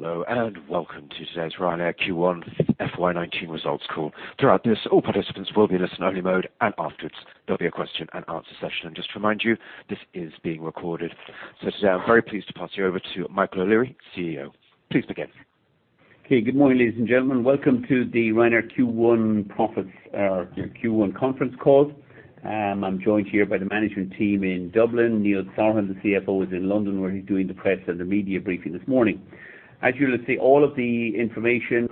Hello, welcome to today's Ryanair Q1 FY 2019 results call. Throughout this, all participants will be in listen-only mode, afterwards there will be a question and answer session. Just to remind you, this is being recorded. Today I am very pleased to pass you over to Michael O'Leary, CEO. Please begin. Okay. Good morning, ladies and gentlemen. Welcome to the Ryanair Q1 conference call. I am joined here by the management team in Dublin. Neil Sorahan, the CFO, is in London, where he is doing the press and the media briefing this morning. As you will see, all of the information,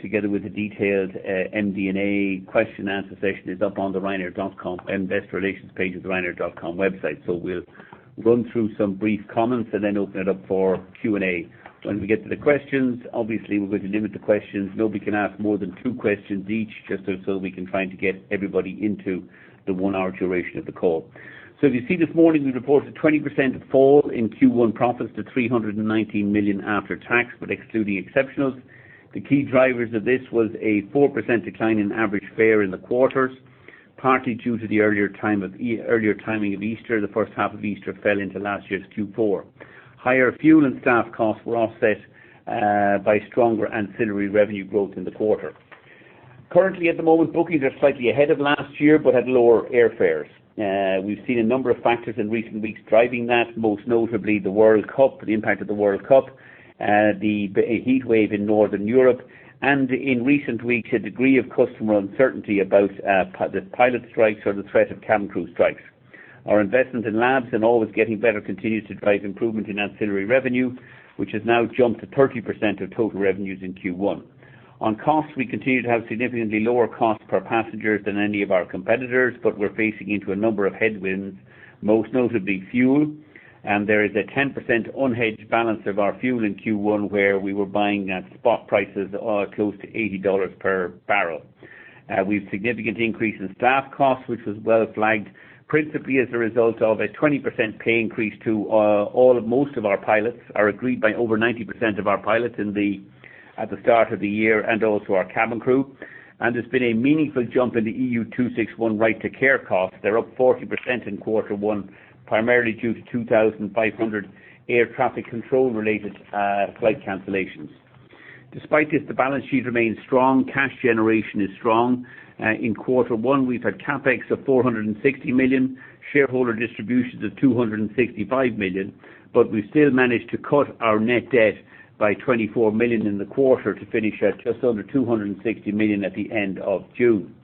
together with the detailed MD&A question-answer session, is up on the investor relations page of the ryanair.com website. We will run through some brief comments, then open it up for Q&A. When we get to the questions, obviously, we are going to limit the questions. Nobody can ask more than two questions each, just so we can try to get everybody into the one-hour duration of the call. As you see this morning, we reported a 20% fall in Q1 profits to 319 million after tax, but excluding exceptionals. The key drivers of this was a 4% decline in average fare in the quarters, partly due to the earlier timing of Easter. The first half of Easter fell into last year's Q4. Higher fuel and staff costs were offset by stronger ancillary revenue growth in the quarter. Currently, at the moment, bookings are slightly ahead of last year, but at lower airfares. We have seen a number of factors in recent weeks driving that, most notably the impact of the World Cup, the heatwave in Northern Europe, and in recent weeks, a degree of customer uncertainty about the pilot strikes or the threat of cabin crew strikes. Our investment in Ryanair Labs and always getting better continues to drive improvement in ancillary revenue, which has now jumped to 30% of total revenues in Q1. On costs, we continue to have significantly lower cost per passengers than any of our competitors, we are facing into a number of headwinds, most notably fuel, there is a 10% unhedged balance of our fuel in Q1, where we were buying at spot prices close to $80 per barrel. We have significantly increased in staff costs, which was well flagged, principally as a result of a 20% pay increase to most of our pilots, are agreed by over 90% of our pilots at the start of the year and also our cabin crew. There has been a meaningful jump in the EU261 right to care costs. They are up 40% in quarter one, primarily due to 2,500 air traffic control-related flight cancellations. Despite this, the balance sheet remains strong. Cash generation is strong. In quarter one, we've had CapEx of 460 million, shareholder distributions of 265 million. We've still managed to cut our net debt by 24 million in the quarter to finish at just under 260 million at the end of June.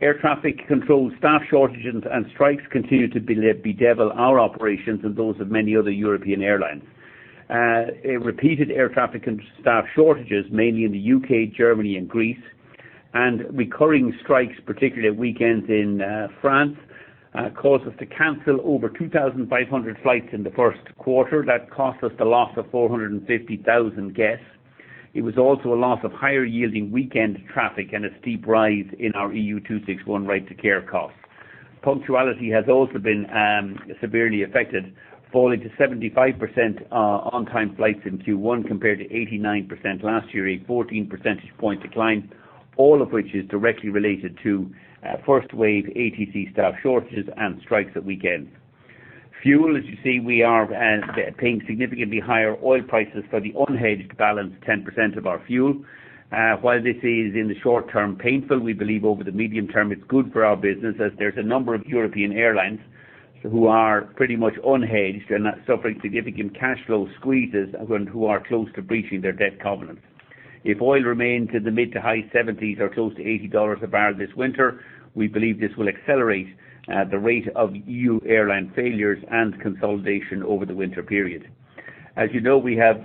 Air traffic control staff shortages and strikes continue to bedevil our operations and those of many other European airlines. Repeated air traffic and staff shortages, mainly in the U.K., Germany, and Greece, and recurring strikes, particularly at weekends in France, caused us to cancel over 2,500 flights in the first quarter. That cost us the loss of 450,000 guests. It was also a loss of higher-yielding weekend traffic and a steep rise in our EU261 right to care costs. Punctuality has also been severely affected, falling to 75% on-time flights in Q1 compared to 89% last year, a 14 percentage point decline, all of which is directly related to first-wave ATC staff shortages and strikes at weekends. Fuel, as you see, we are paying significantly higher oil prices for the unhedged balance 10% of our fuel. While this is in the short term painful, we believe over the medium term it's good for our business as there's a number of European airlines who are pretty much unhedged and are suffering significant cash flow squeezes and who are close to breaching their debt covenants. If oil remains in the mid to high 70s or close to $80 a barrel this winter, we believe this will accelerate the rate of EU airline failures and consolidation over the winter period. As you know, we have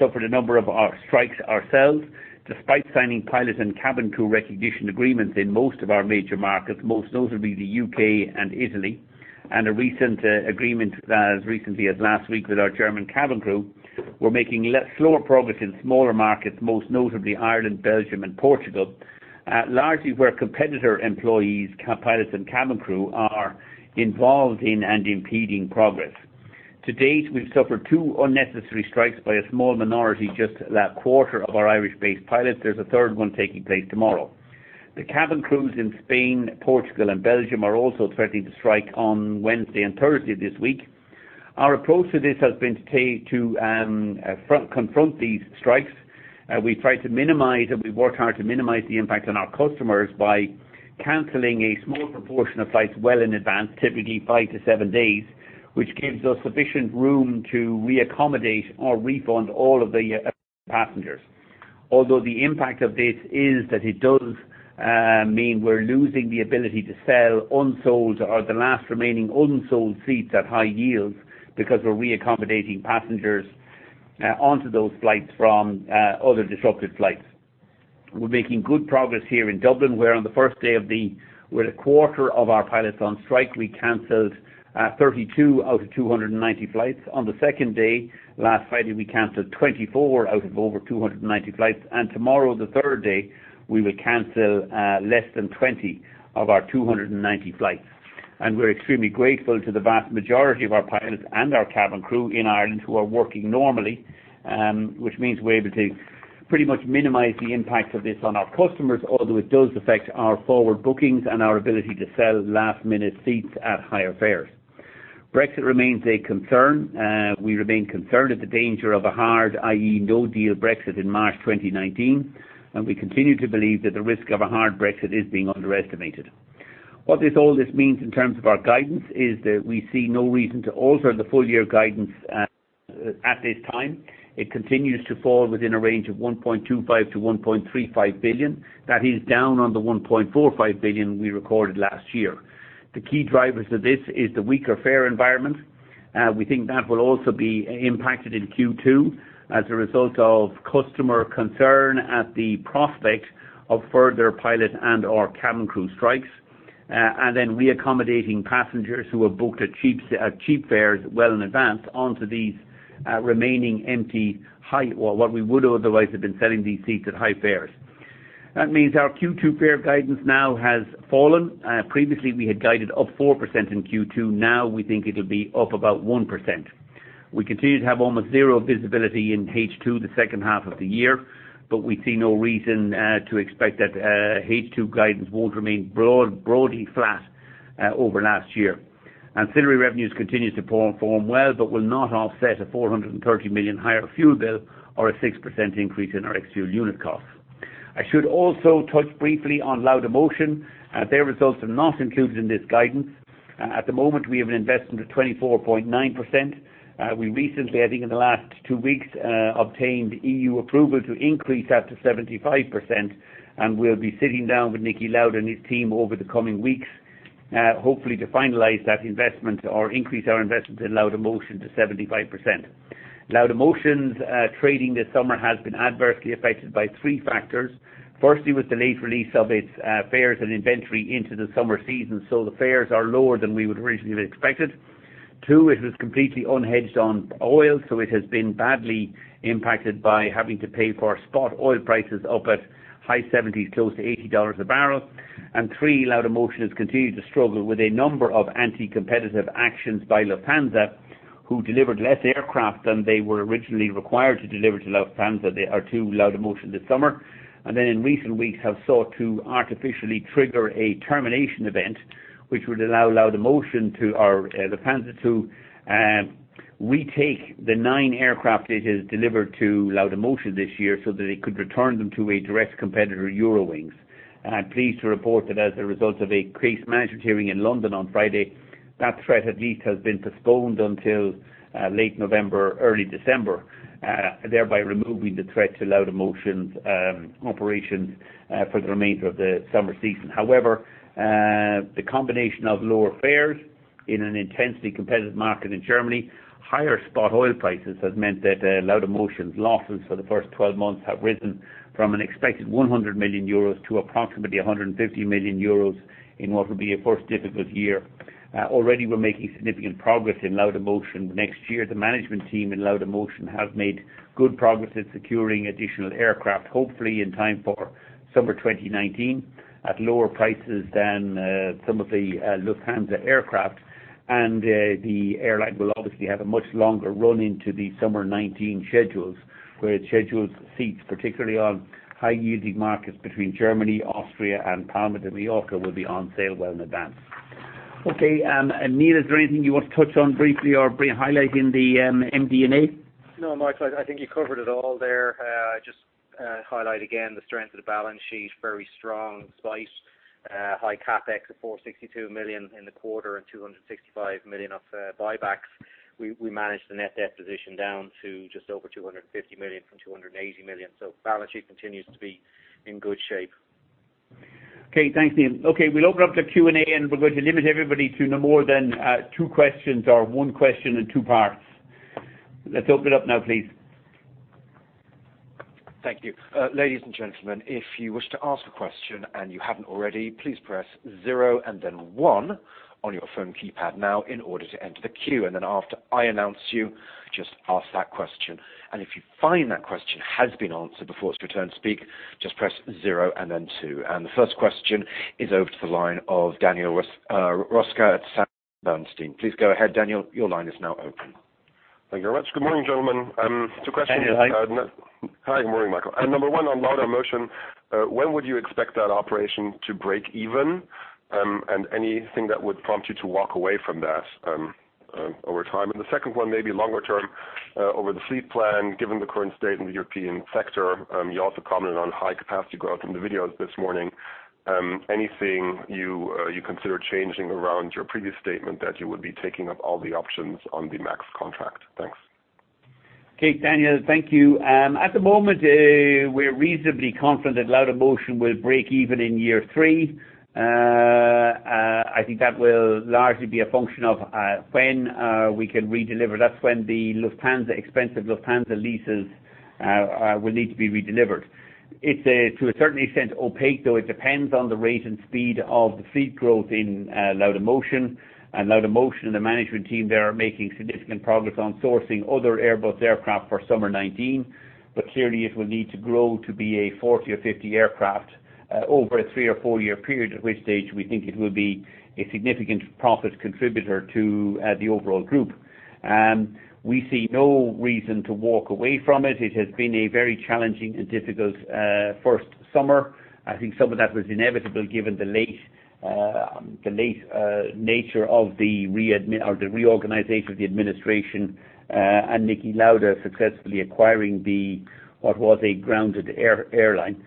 suffered a number of strikes ourselves. Despite signing pilot and cabin crew recognition agreements in most of our major markets, most notably the U.K. and Italy, and a recent agreement as recently as last week with our German cabin crew, we're making slower progress in smaller markets, most notably Ireland, Belgium, and Portugal, largely where competitor employees, pilots, and cabin crew, are involved in and impeding progress. To date, we've suffered two unnecessary strikes by a small minority, just that quarter of our Irish-based pilots. There's a third one taking place tomorrow. The cabin crews in Spain, Portugal, and Belgium are also threatening to strike on Wednesday and Thursday this week. Our approach to this has been to confront these strikes. We've tried to minimize, and we work hard to minimize the impact on our customers by canceling a small proportion of flights well in advance, typically five to seven days, which gives us sufficient room to re-accommodate or refund all of the passengers. Although the impact of this is that it does mean we're losing the ability to sell the last remaining unsold seats at high yields because we're re-accommodating passengers onto those flights from other disrupted flights. We're making good progress here in Dublin, where on the first day with a quarter of our pilots on strike, we canceled 32 out of 290 flights. On the second day, last Friday, we canceled 24 out of over 290 flights, and tomorrow, the third day, we will cancel less than 20 of our 290 flights. We're extremely grateful to the vast majority of our pilots and our cabin crew in Ireland who are working normally, which means we're able to pretty much minimize the impact of this on our customers, although it does affect our forward bookings and our ability to sell last-minute seats at higher fares. Brexit remains a concern. We remain concerned at the danger of a hard, i.e., no-deal Brexit in March 2019, and we continue to believe that the risk of a hard Brexit is being underestimated. What all this means in terms of our guidance is that we see no reason to alter the full-year guidance at this time. It continues to fall within a range of 1.25 billion-1.35 billion. That is down on the 1.45 billion we recorded last year. The key drivers of this is the weaker fare environment. We think that will also be impacted in Q2 as a result of customer concern at the prospect of further pilot and/or cabin crew strikes, and then re-accommodating passengers who have booked at cheap fares well in advance onto these remaining empty high, or what we would otherwise have been selling these seats at high fares. That means our Q2 fare guidance now has fallen. Previously, we had guided up 4% in Q2. Now we think it'll be up about 1%. We continue to have almost zero visibility in H2, the second half of the year, but we see no reason to expect that H2 guidance won't remain broadly flat over last year. Ancillary revenues continue to perform well but will not offset a 430 million higher fuel bill or a 6% increase in our ex-fuel unit costs. I should also touch briefly on Laudamotion. Their results are not included in this guidance. At the moment, we have an investment of 24.9%. We recently, I think, in the last two weeks, obtained EU approval to increase that to 75%, and we'll be sitting down with Niki Lauda and his team over the coming weeks, hopefully to finalize that investment or increase our investment in Laudamotion to 75%. Laudamotion's trading this summer has been adversely affected by three factors. Firstly, was the late release of its fares and inventory into the summer season, so the fares are lower than we would originally have expected. Two, it was completely unhedged on oil, so it has been badly impacted by having to pay for spot oil prices up at high 70s, close to $80 a barrel. Three, Laudamotion has continued to struggle with a number of anti-competitive actions by Lufthansa, who delivered less aircraft than they were originally required to deliver to Laudamotion this summer. In recent weeks have sought to artificially trigger a termination event, which would allow Laudamotion to, or Lufthansa to retake the nine aircraft it has delivered to Laudamotion this year so that it could return them to a direct competitor, Eurowings. I'm pleased to report that as a result of a case management hearing in London on Friday, that threat at least has been postponed until late November, early December, thereby removing the threat to Laudamotion's operations for the remainder of the summer season. However, the combination of lower fares in an intensely competitive market in Germany, higher spot oil prices, has meant that Laudamotion's losses for the first 12 months have risen from an expected 100 million euros to approximately 150 million euros in what will be a first difficult year. Already, we're making significant progress in Laudamotion. Next year, the management team in Laudamotion have made good progress at securing additional aircraft, hopefully in time for summer 2019, at lower prices than some of the Lufthansa aircraft. The airline will obviously have a much longer run into the summer 2019 schedules, where scheduled seats, particularly on high-yielding markets between Germany, Austria, and Palma de Mallorca, will be on sale well in advance. Okay, Neil, is there anything you want to touch on briefly or highlight in the MD&A? No, Michael. I think you covered it all there. Just highlight again the strength of the balance sheet. Very strong despite high CapEx of 462 million in the quarter and 265 million of buybacks. We managed the net debt position down to just over 250 million from 280 million. The balance sheet continues to be in good shape. Okay, thanks, Neil. We'll open up to Q&A. We're going to limit everybody to no more than two questions or one question in two parts. Let's open it up now, please. Thank you. Ladies and gentlemen, if you wish to ask a question and you haven't already, please press zero and then one on your phone keypad now in order to enter the queue. After I announce you, just ask that question. If you find that question has been answered before it's your turn to speak, just press zero and then two. The first question is over to the line of Daniel Röska at Bernstein. Please go ahead, Daniel. Your line is now open. Thank you very much. Good morning, gentlemen. Two questions. Daniel, hi. Hi. Good morning, Michael. Number one on Laudamotion, when would you expect that operation to break even, anything that would prompt you to walk away from that over time? The second one may be longer term over the fleet plan, given the current state in the European sector. You also commented on high capacity growth in the videos this morning. Anything you consider changing around your previous statement that you would be taking up all the options on the MAX contract? Thanks. Okay. Daniel, thank you. At the moment, we're reasonably confident that Laudamotion will break even in year three. I think that will largely be a function of when we can redeliver. That's when the Lufthansa expensive Lufthansa leases will need to be redelivered. It's to a certain extent opaque, though. It depends on the rate and speed of the fleet growth in Laudamotion. Laudamotion and the management team there are making significant progress on sourcing other Airbus aircraft for summer 2019. Clearly, it will need to grow to be a 40 or 50 aircraft over a three or four-year period. At which stage we think it will be a significant profit contributor to the overall group. We see no reason to walk away from it. It has been a very challenging and difficult first summer. I think some of that was inevitable given the late nature of the reorganization of the administration, Niki Lauda successfully acquiring what was a grounded airline.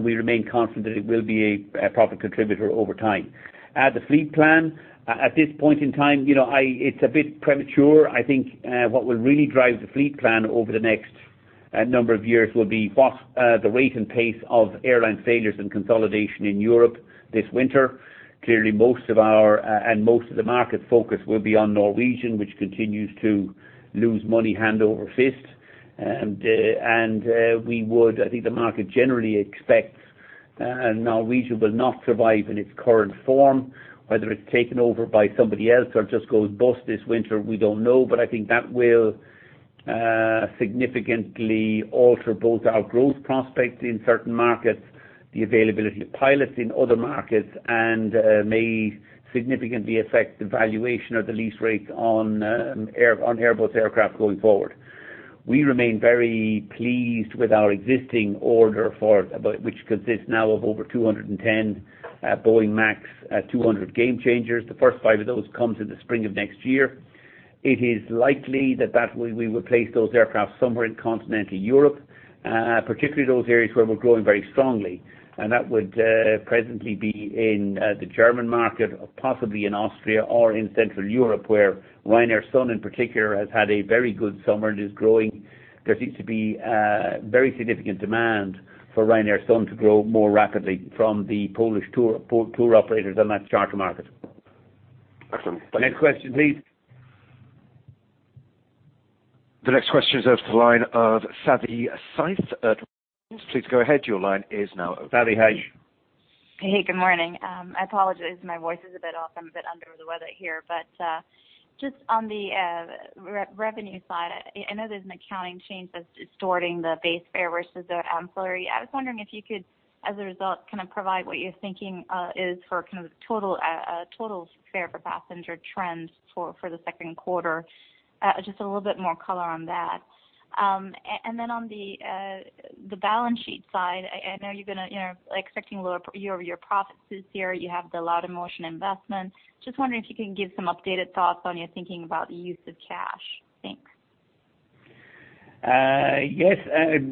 We remain confident that it will be a profit contributor over time. The fleet plan, at this point in time, it's a bit premature. I think what will really drive the fleet plan over the next number of years will be what the rate and pace of airline failures and consolidation in Europe this winter. Clearly, most of our, and most of the market focus will be on Norwegian, which continues to lose money hand over fist. I think the market generally expects Norwegian will not survive in its current form, whether it's taken over by somebody else or just goes bust this winter, we don't know. I think that will significantly alter both our growth prospects in certain markets, the availability of pilots in other markets, and may significantly affect the valuation or the lease rates on Airbus aircraft going forward. We remain very pleased with our existing order, which consists now of over 210 Boeing MAX 200 Gamechangers. The first 5 of those come in the spring of next year. It is likely that we will place those aircraft somewhere in continental Europe, particularly those areas where we're growing very strongly. That would presently be in the German market, possibly in Austria or in central Europe, where Ryanair Sun in particular has had a very good summer and is growing. There seems to be very significant demand for Ryanair Sun to grow more rapidly from the Polish tour operators on that charter market. Excellent. Next question, please. The next question is of the line of Savanthi Syth at. Please go ahead. Your line is now open. Savanthi, how are you? Hey, good morning. I apologize, my voice is a bit off. I'm a bit under the weather here. Just on the revenue side, I know there's an accounting change that's distorting the base fare versus the ancillary. I was wondering if you could, as a result, provide what your thinking is for total fare per passenger trends for the second quarter. Just a little bit more color on that. On the balance sheet side, I know you're expecting lower year-over-year profits this year. You have the Laudamotion investment. Just wondering if you can give some updated thoughts on your thinking about the use of cash. Thanks. Yes.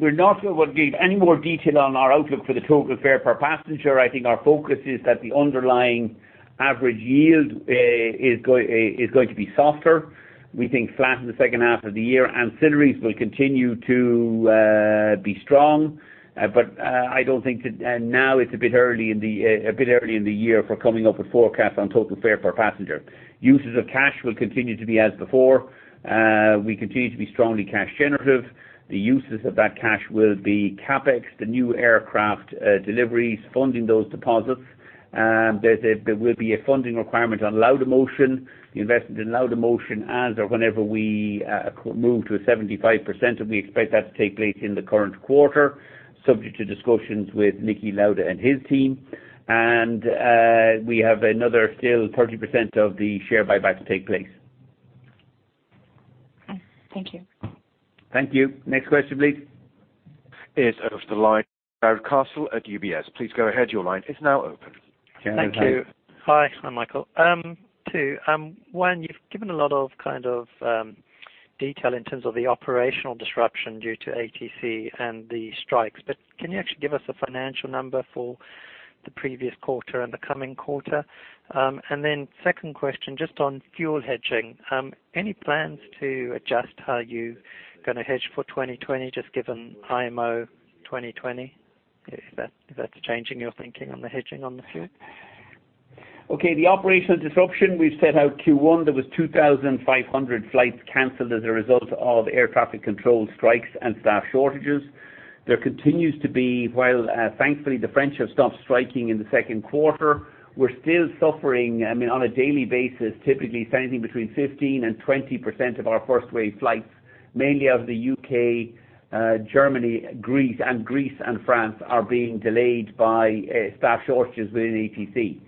We're not going to give any more detail on our outlook for the total fare per passenger. I think our focus is that the underlying average yield is going to be softer. We think flat in the second half of the year. Ancillaries will continue to be strong. I don't think that now it's a bit early in the year for coming up with forecasts on total fare per passenger. Uses of cash will continue to be as before. We continue to be strongly cash generative. The uses of that cash will be CapEx, the new aircraft deliveries, funding those deposits. There will be a funding requirement on Laudamotion, the investment in Laudamotion, as or whenever we move to a 75%, and we expect that to take place in the current quarter, subject to discussions with Niki Lauda and his team. We have another still 30% of the share buyback to take place. Thank you. Thank you. Next question, please. Is of the line of Jarrod Castle at UBS. Please go ahead. Your line is now open. Yeah. Thank you. Hi, Michael. Two. One, you've given a lot of detail in terms of the operational disruption due to ATC and the strikes. Can you actually give us a financial number for the previous quarter and the coming quarter? Second question, just on fuel hedging. Any plans to adjust how you're going to hedge for 2020, just given IMO 2020? If that's changing your thinking on the hedging on the fuel. Okay. The operational disruption we've set out Q1, there was 2,500 flights canceled as a result of air traffic control strikes and staff shortages. There continues to be, while thankfully the French have stopped striking in the second quarter, we're still suffering, on a daily basis, typically something between 15%-20% of our first wave flights, mainly out of the U.K., Germany, Greece, and France, are being delayed by staff shortages within ATC.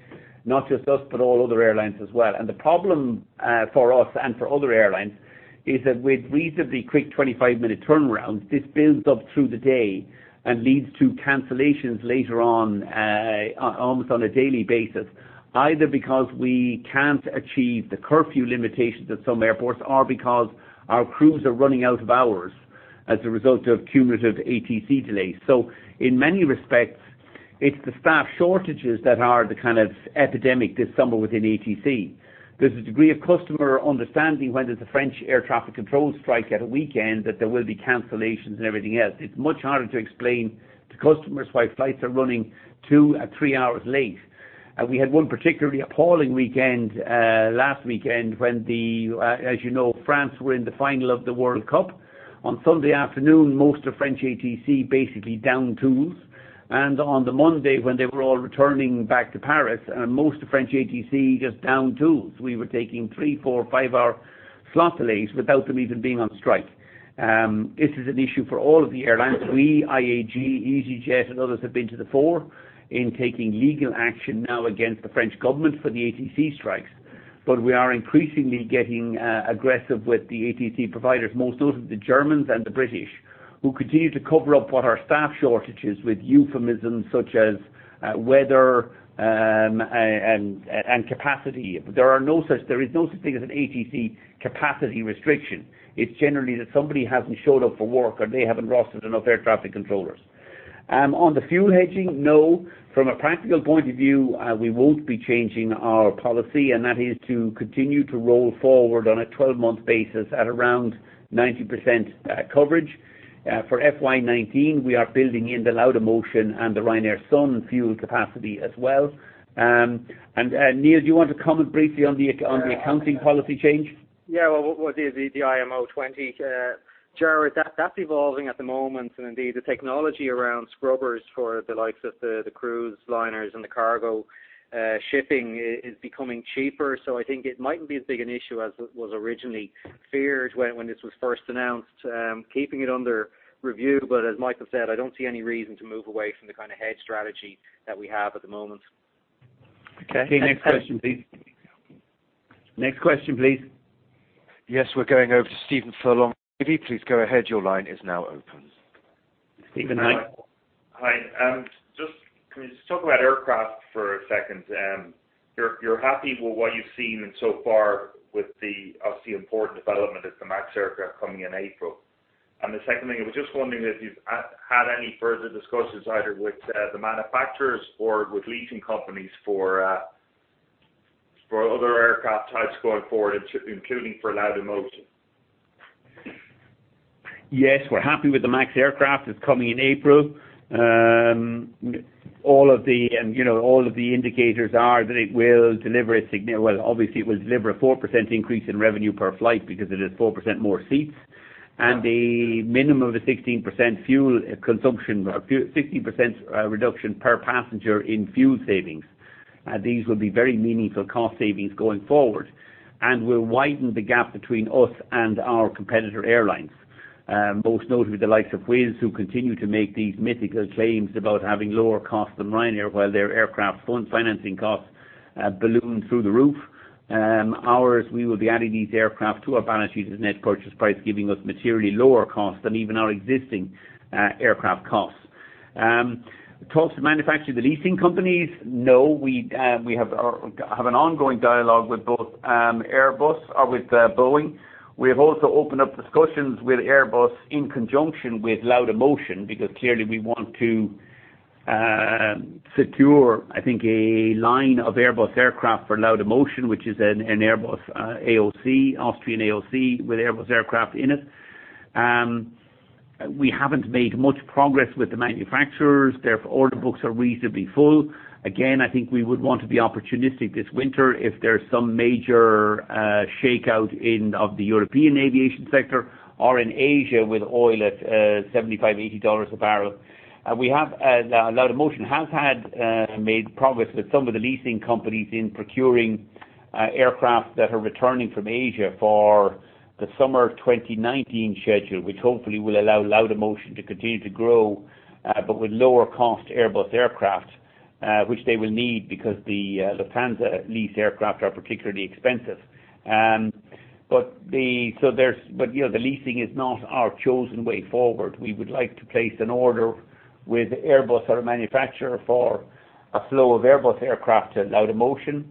Not just us, but all other airlines as well. The problem for us and for other airlines is that with reasonably quick 25-minute turnarounds, this builds up through the day and leads to cancellations later on, almost on a daily basis, either because we can't achieve the curfew limitations at some airports or because our crews are running out of hours as a result of cumulative ATC delays. In many respects, it's the staff shortages that are the kind of epidemic this summer within ATC. There's a degree of customer understanding when there's a French air traffic control strike at a weekend that there will be cancellations and everything else. It's much harder to explain to customers why flights are running two or three hours late. We had one particularly appalling weekend, last weekend, when the, as you know, France were in the final of the World Cup. On Sunday afternoon, most of French ATC basically down tools. On the Monday when they were all returning back to Paris, most of French ATC just down tools. We were taking three, four, five-hour slot delays without them even being on strike. This is an issue for all of the airlines. We, IAG, EasyJet, and others have been to the fore in taking legal action now against the French government for the ATC strikes. We are increasingly getting aggressive with the ATC providers, most notably the Germans and the British, who continue to cover up what are staff shortages with euphemisms such as weather and capacity. There is no such thing as an ATC capacity restriction. It's generally that somebody hasn't showed up for work, or they haven't rostered enough air traffic controllers. On the fuel hedging, no. From a practical point of view, we won't be changing our policy, and that is to continue to roll forward on a 12-month basis at around 90% coverage. For FY 2019, we are building in the Laudamotion and the Ryanair Sun fuel capacity as well. Neil, do you want to comment briefly on the accounting policy change? Yeah. The IMO 20, Jarrod, that's evolving at the moment. Indeed, the technology around scrubbers for the likes of the cruise liners and the cargo shipping is becoming cheaper. I think it mightn't be as big an issue as it was originally feared when this was first announced. Keeping it under review, but as Michael said, I don't see any reason to move away from the kind of hedge strategy that we have at the moment. Okay. Next question, please. Next question, please. Yes, we are going over to Stephen Furlong. Please go ahead. Your line is now open. Stephen, hi. Can we just talk about aircraft for a second? You're happy with what you've seen so far with the obviously important development of the MAX aircraft coming in April. The second thing, I was just wondering if you've had any further discussions either with the manufacturers or with leasing companies for other aircraft types going forward, including for Laudamotion. Yes, we're happy with the MAX aircraft that's coming in April. All of the indicators are that it will deliver, obviously, it will deliver a 4% increase in revenue per flight because it is 4% more seats, and a minimum of a 16% reduction per passenger in fuel savings. These will be very meaningful cost savings going forward and will widen the gap between us and our competitor airlines. Most notably the likes of Eurowings, who continue to make these mythical claims about having lower costs than Ryanair while their aircraft financing costs balloon through the roof. Ours, we will be adding these aircraft to our balance sheet as net purchase price, giving us materially lower costs than even our existing aircraft costs. Talks with manufacturers and the leasing companies? No. We have an ongoing dialogue with both Airbus or with Boeing. We have also opened up discussions with Airbus in conjunction with Laudamotion, because clearly we want to secure, I think, a line of Airbus aircraft for Laudamotion, which is an Austrian AOC with Airbus aircraft in it. We haven't made much progress with the manufacturers. Order books are reasonably full. Again, I think we would want to be opportunistic this winter if there's some major shakeout of the European aviation sector or in Asia with oil at $75, $80 a barrel. Laudamotion has made progress with some of the leasing companies in procuring aircraft that are returning from Asia for the summer 2019 schedule, which hopefully will allow Laudamotion to continue to grow. With lower cost Airbus aircraft, which they will need because the Lufthansa leased aircraft are particularly expensive. The leasing is not our chosen way forward. We would like to place an order with Airbus or a manufacturer for a flow of Airbus aircraft to Laudamotion.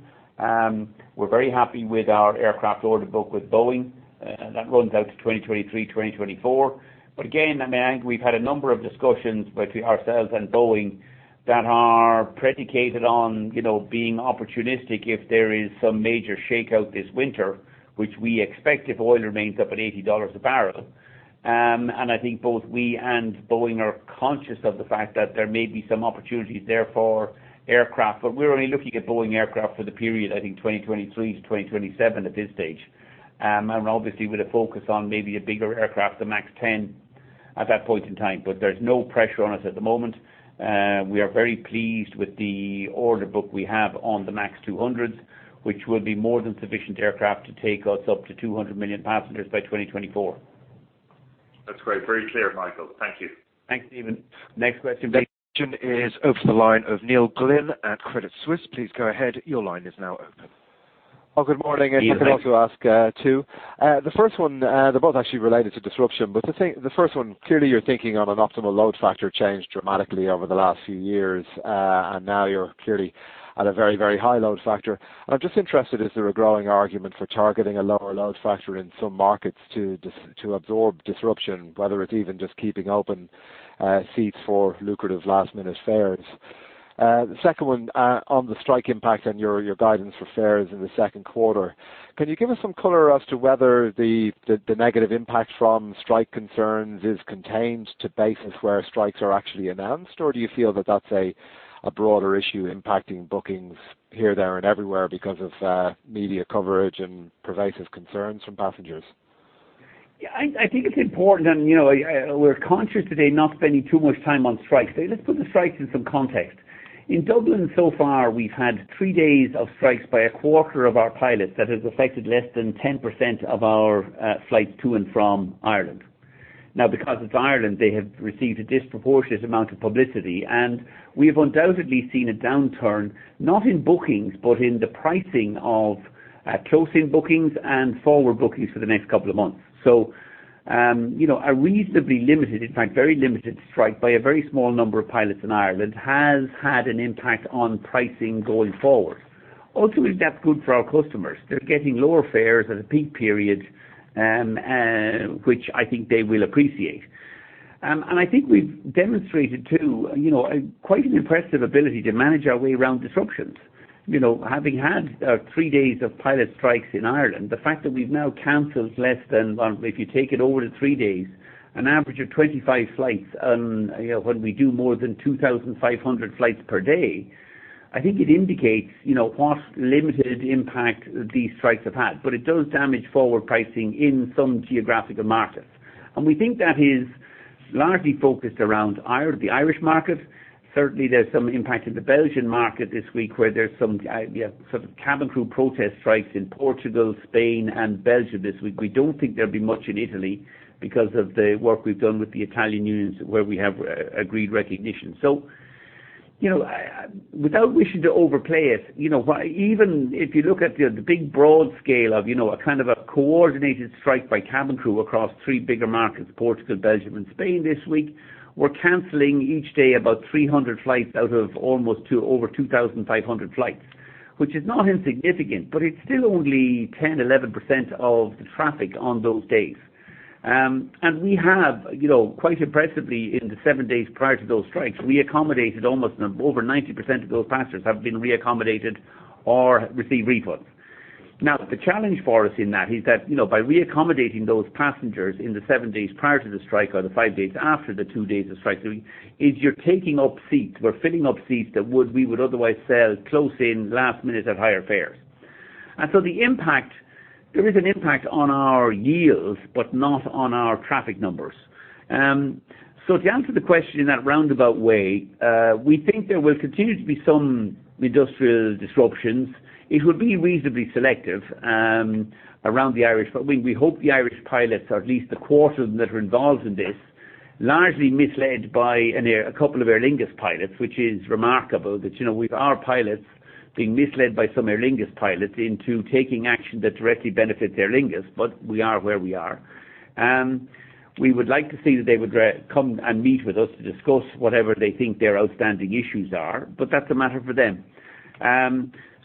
We're very happy with our aircraft order book with Boeing. That runs out to 2023, 2024. Again, I think we've had a number of discussions between ourselves and Boeing that are predicated on being opportunistic if there is some major shakeout this winter, which we expect if oil remains up at $80 a barrel. I think both we and Boeing are conscious of the fact that there may be some opportunities there for aircraft, but we're only looking at Boeing aircraft for the period, I think, 2023 to 2027 at this stage. Obviously with a focus on maybe a bigger aircraft, the MAX 10, at that point in time. There's no pressure on us at the moment. We are very pleased with the order book we have on the MAX 200s, which will be more than sufficient aircraft to take us up to 200 million passengers by 2024. That's great. Very clear, Michael. Thank you. Thanks, Stephen. Next question is over to the line of Neil Glynn at Credit Suisse. Please go ahead. Your line is now open. Good morning. Evening. I'd like to ask two. The first one, they're both actually related to disruption. The first one, clearly you're thinking on an optimal load factor change dramatically over the last few years, and now you're clearly at a very, very high load factor. I'm just interested, is there a growing argument for targeting a lower load factor in some markets to absorb disruption, whether it's even just keeping open seats for lucrative last-minute fares? The second one on the strike impact and your guidance for fares in the second quarter. Can you give us some color as to whether the negative impact from strike concerns is contained to bases where strikes are actually announced, or do you feel that that's a broader issue impacting bookings here, there, and everywhere because of media coverage and pervasive concerns from passengers? I think it's important, we're conscious today not spending too much time on strikes. Let's put the strikes in some context. In Dublin so far, we've had three days of strikes by a quarter of our pilots that has affected less than 10% of our flights to and from Ireland. Now, because it's Ireland, they have received a disproportionate amount of publicity, and we have undoubtedly seen a downturn, not in bookings, but in the pricing of close-in bookings and forward bookings for the next couple of months. A reasonably limited, in fact, very limited strike by a very small number of pilots in Ireland has had an impact on pricing going forward. Ultimately, that's good for our customers. They're getting lower fares at a peak period, which I think they will appreciate. I think we've demonstrated too, quite an impressive ability to manage our way around disruptions. Having had three days of pilot strikes in Ireland, the fact that we've now canceled less than, if you take it over the three days, an average of 25 flights, when we do more than 2,500 flights per day, I think it indicates what limited impact these strikes have had. It does damage forward pricing in some geographical markets. We think that is largely focused around the Irish market. Certainly, there's some impact in the Belgian market this week, where there's some sort of cabin crew protest strikes in Portugal, Spain, and Belgium this week. We don't think there'll be much in Italy because of the work we've done with the Italian unions, where we have agreed recognition. Without wishing to overplay it, even if you look at the big broad scale of a kind of a coordinated strike by cabin crew across three bigger markets, Portugal, Belgium, and Spain this week, we're canceling each day about 300 flights out of almost over 2,500 flights, which is not insignificant, but it's still only 10%, 11% of the traffic on those days. We have, quite impressively, in the seven days prior to those strikes, we accommodated almost over 90% of those passengers have been re-accommodated or received refunds. The challenge for us in that is that by re-accommodating those passengers in the seven days prior to the strike or the five days after the two days of striking, is you're taking up seats. We're filling up seats that we would otherwise sell close in, last minute at higher fares. There is an impact on our yields, but not on our traffic numbers. To answer the question in that roundabout way, we think there will continue to be some industrial disruptions. It will be reasonably selective around the Irish. We hope the Irish pilots, or at least the quarter of them that are involved in this, largely misled by a couple of Aer Lingus pilots, which is remarkable that our pilots being misled by some Aer Lingus pilots into taking action that directly benefits Aer Lingus. We are where we are. We would like to see that they would come and meet with us to discuss whatever they think their outstanding issues are, but that's a matter for them.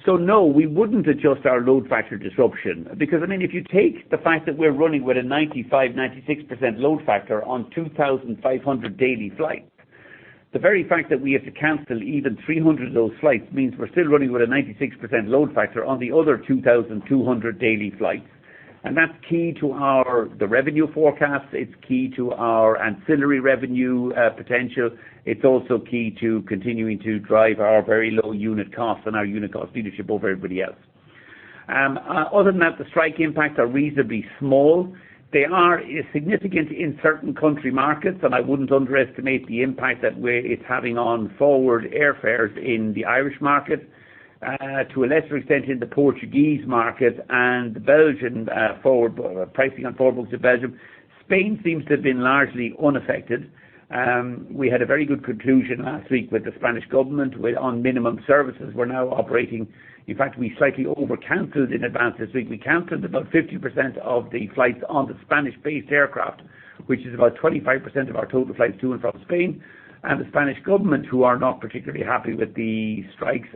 No, we wouldn't adjust our load factor disruption, because if you take the fact that we're running with a 95%, 96% load factor on 2,500 daily flights, the very fact that we have to cancel even 300 of those flights means we're still running with a 96% load factor on the other 2,200 daily flights. That's key to the revenue forecast. It's key to our ancillary revenue potential. It's also key to continuing to drive our very low unit costs and our unit cost leadership over everybody else. Other than that, the strike impacts are reasonably small. They are significant in certain country markets, and I wouldn't underestimate the impact that it's having on forward airfares in the Irish market, to a lesser extent in the Portuguese market, and the Belgian pricing on forward books to Belgium. Spain seems to have been largely unaffected. We had a very good conclusion last week with the Spanish government on minimum services. We're now operating. In fact, we slightly over-canceled in advance this week. We canceled about 50% of the flights on the Spanish-based aircraft, which is about 25% of our total flights to and from Spain. The Spanish government, who are not particularly happy with the strikes,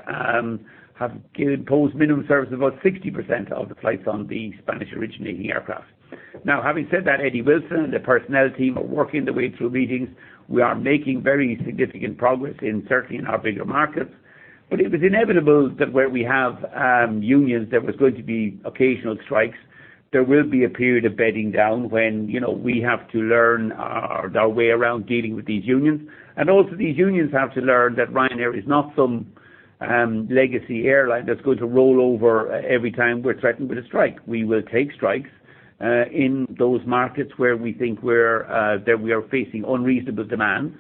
have imposed minimum services of about 60% of the flights on the Spanish-originating aircraft. Having said that, Eddie Wilson and the personnel team are working their way through meetings. We are making very significant progress certainly in our bigger markets. It was inevitable that where we have unions, there was going to be occasional strikes. There will be a period of bedding down when we have to learn our way around dealing with these unions. Also, these unions have to learn that Ryanair is not some legacy airline that's going to roll over every time we're threatened with a strike. We will take strikes in those markets where we think that we are facing unreasonable demands.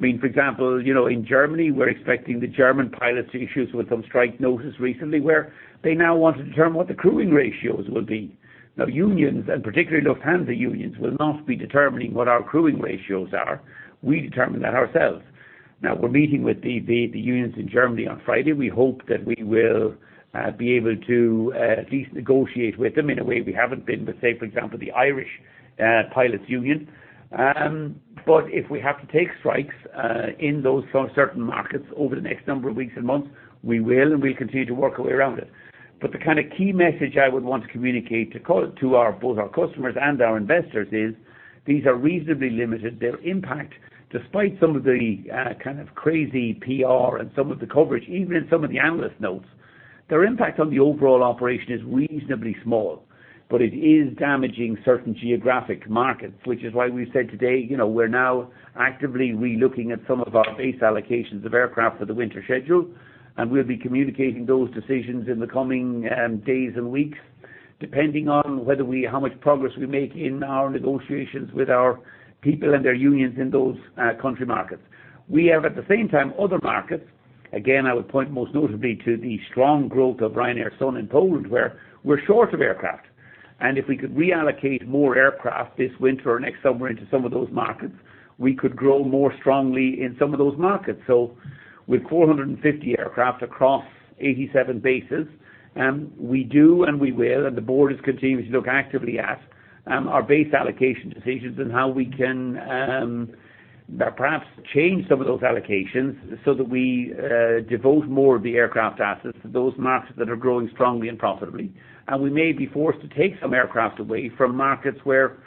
For example, in Germany, we're expecting the German pilots to issue us with some strike notice recently where they now want to determine what the crewing ratios will be. Unions, and particularly Lufthansa unions, will not be determining what our crewing ratios are. We determine that ourselves. We're meeting with the unions in Germany on Friday. We hope that we will be able to at least negotiate with them in a way we haven't been with, say, for example, the Irish Pilots Union. If we have to take strikes in those certain markets over the next number of weeks and months, we will, and we'll continue to work our way around it. The kind of key message I would want to communicate to both our customers and our investors is these are reasonably limited. Their impact, despite some of the kind of crazy PR and some of the coverage, even in some of the analyst notes, their impact on the overall operation is reasonably small. It is damaging certain geographic markets, which is why we've said today, we're now actively re-looking at some of our base allocations of aircraft for the winter schedule, and we'll be communicating those decisions in the coming days and weeks, depending on how much progress we make in our negotiations with our people and their unions in those country markets. We have, at the same time, other markets. Again, I would point most notably to the strong growth of Ryanair Sun in Poland, where we're short of aircraft. If we could reallocate more aircraft this winter or next summer into some of those markets, we could grow more strongly in some of those markets. With 450 aircraft across 87 bases, we do and we will, and the board is continuing to look actively at our base allocation decisions and how we can perhaps change some of those allocations so that we devote more of the aircraft assets to those markets that are growing strongly and profitably. We may be forced to take some aircraft away from markets where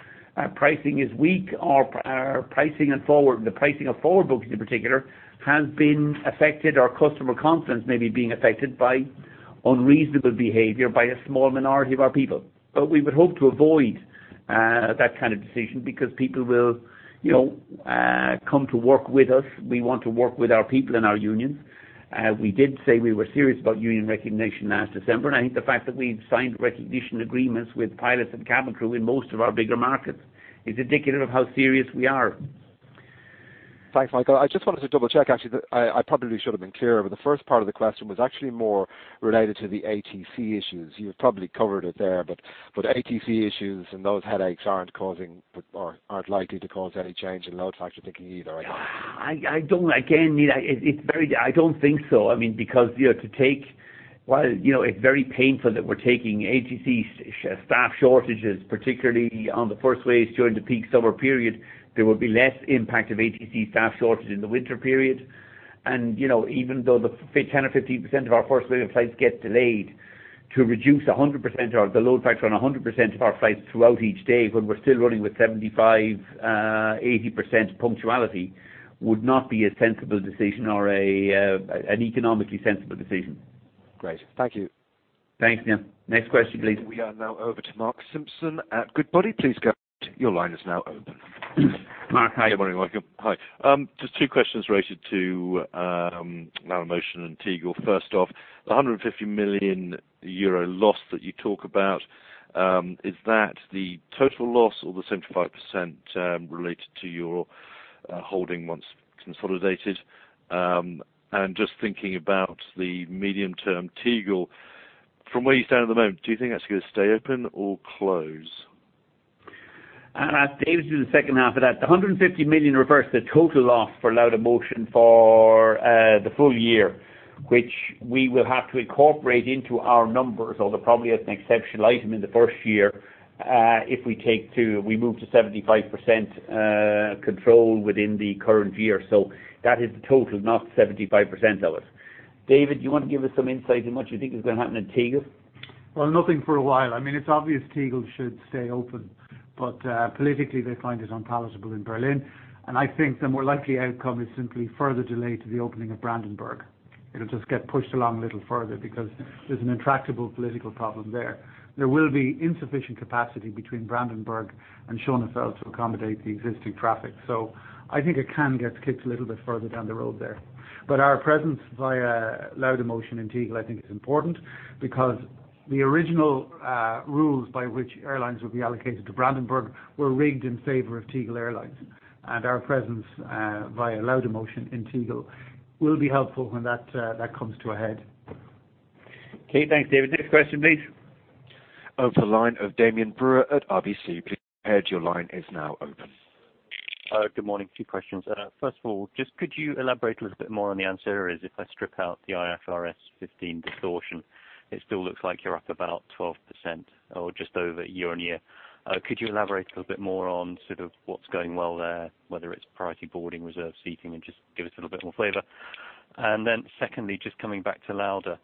pricing is weak or the pricing of forward bookings, in particular, has been affected, or customer confidence may be being affected by unreasonable behavior by a small minority of our people. We would hope to avoid that kind of decision because people will come to work with us. We want to work with our people and our unions. We did say we were serious about union recognition last December, and I think the fact that we've signed recognition agreements with pilots and cabin crew in most of our bigger markets is indicative of how serious we are. Thanks, Michael. I just wanted to double-check, actually. I probably should have been clearer. The first part of the question was actually more related to the ATC issues. You've probably covered it there. ATC issues and those headaches aren't likely to cause any change in load factor thinking either, I guess? Again, I don't think so. While it's very painful that we're taking ATC staff shortages, particularly on the first wave during the peak summer period, there will be less impact of ATC staff shortages in the winter period. Even though 10% or 15% of our first wave of flights get delayed, to reduce 100% or the load factor on 100% of our flights throughout each day when we're still running with 75%, 80% punctuality would not be a sensible decision or an economically sensible decision. Great. Thank you. Thanks, Neil. Next question, please. We are now over to Mark Simpson at Goodbody. Please go ahead. Your line is now open. Mark, how are you? Good morning, Michael. Hi. Just two questions related to Laudamotion and Tegel. First off, the 150 million euro loss that you talk about, is that the total loss or the 75% related to your holding once consolidated? Just thinking about the medium term, Tegel, from where you stand at the moment, do you think that's going to stay open or close? David can do the second half of that. The 150 million refers to the total loss for Laudamotion for the full year, which we will have to incorporate into our numbers, although probably as an exceptional item in the first year if we move to 75% control within the current year. That is the total, not 75% of it. David, you want to give us some insight in what you think is going to happen in Tegel? Well, nothing for a while. It is obvious Tegel should stay open, but politically they find it unpalatable in Berlin. I think the more likely outcome is simply further delay to the opening of Brandenburg. It will just get pushed along a little further because there is an intractable political problem there. There will be insufficient capacity between Brandenburg and Schönefeld to accommodate the existing traffic. I think it can get kicked a little bit further down the road there. Our presence via Laudamotion in Tegel, I think, is important because the original rules by which airlines would be allocated to Brandenburg were rigged in favor of Tegel Airlines. Our presence via Laudamotion in Tegel will be helpful when that comes to a head. Okay. Thanks, David. Next question, please. Over to the line of Damian Brewer at RBC. Please go ahead. Your line is now open. Good morning. A few questions. First of all, just could you elaborate a little bit more on the ancillaries? If I strip out the IFRS 15 distortion, it still looks like you are up about 12% or just over year-over-year. Could you elaborate a little bit more on what is going well there, whether it is priority boarding, reserve seating, and just give us a little bit more flavor? Secondly, just coming back to Lauda,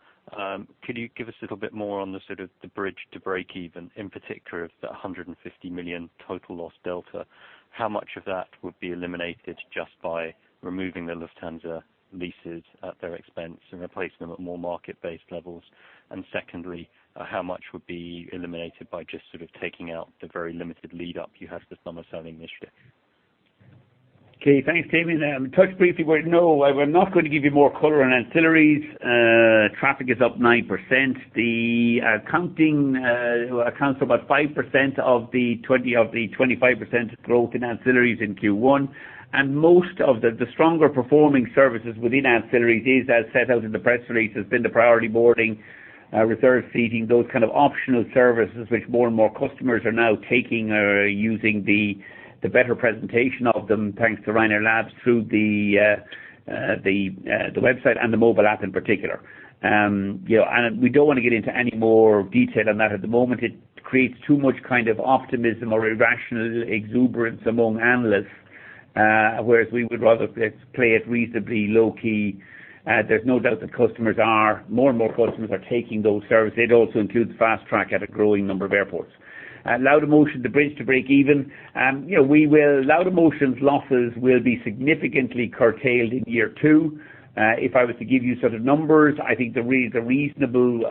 could you give us a little bit more on the sort of the bridge to breakeven, in particular of the 150 million total loss delta? How much of that would be eliminated just by removing the Lufthansa leases at their expense and replace them at more market-based levels? Secondly, how much would be eliminated by just taking out the very limited lead up you have this summer selling this year? Thanks, Damian. I touched briefly. No, I'm not going to give you more color on ancillaries. Traffic is up 9%. The accounting accounts for about 5% of the 25% growth in ancillaries in Q1. Most of the stronger performing services within ancillaries is, as set out in the press release, has been the priority boarding, reserve seating, those kind of optional services which more and more customers are now taking or using the better presentation of them, thanks to Ryanair Labs, through the website and the mobile app in particular. We don't want to get into any more detail on that at the moment. It creates too much optimism or irrational exuberance among analysts, whereas we would rather play it reasonably low-key. There's no doubt that more and more customers are taking those services. It also includes Fast Track at a growing number of airports. Laudamotion, the bridge to breakeven. Laudamotion's losses will be significantly curtailed in year two. If I was to give you numbers, I think the reasonable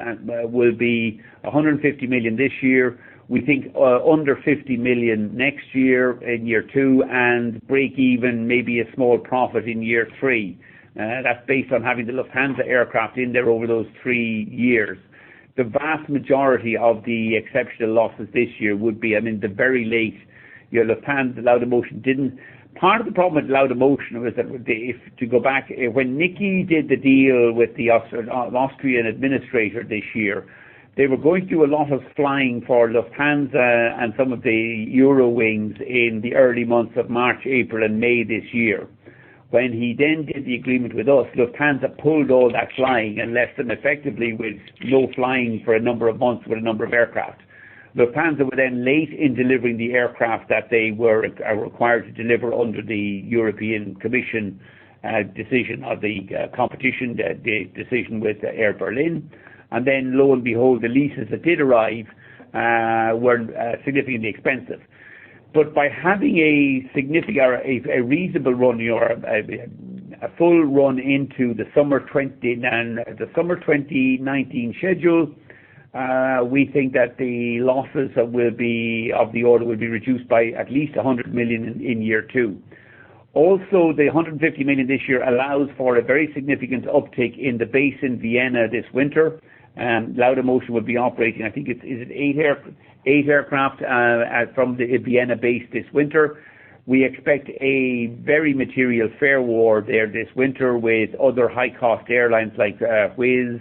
will be 150 million this year. We think under 50 million next year in year two, and breakeven, maybe a small profit in year three. That's based on having the Lufthansa aircraft in there over those three years. The vast majority of the exceptional losses this year would be in the very late. Lufthansa, Laudamotion didn't. Part of the problem with Laudamotion was that if to go back, when Niki did the deal with the Austrian administrator this year, they were going to do a lot of flying for Lufthansa and some of the Eurowings in the early months of March, April, and May this year. When he then did the agreement with us, Lufthansa pulled all that flying and left them effectively with low flying for a number of months with a number of aircraft. Lufthansa were then late in delivering the aircraft that they were required to deliver under the European Commission decision of the competition, the decision with Air Berlin. Lo and behold, the leases that did arrive were significantly expensive. By having a reasonable run year, a full run into the summer 2019 schedule, we think that the losses of the order will be reduced by at least 100 million in year two. Also, the 150 million this year allows for a very significant uptake in the base in Vienna this winter. Laudamotion will be operating, I think it's eight aircraft from the Vienna base this winter. We expect a very material fare war there this winter with other high-cost airlines like Wizz,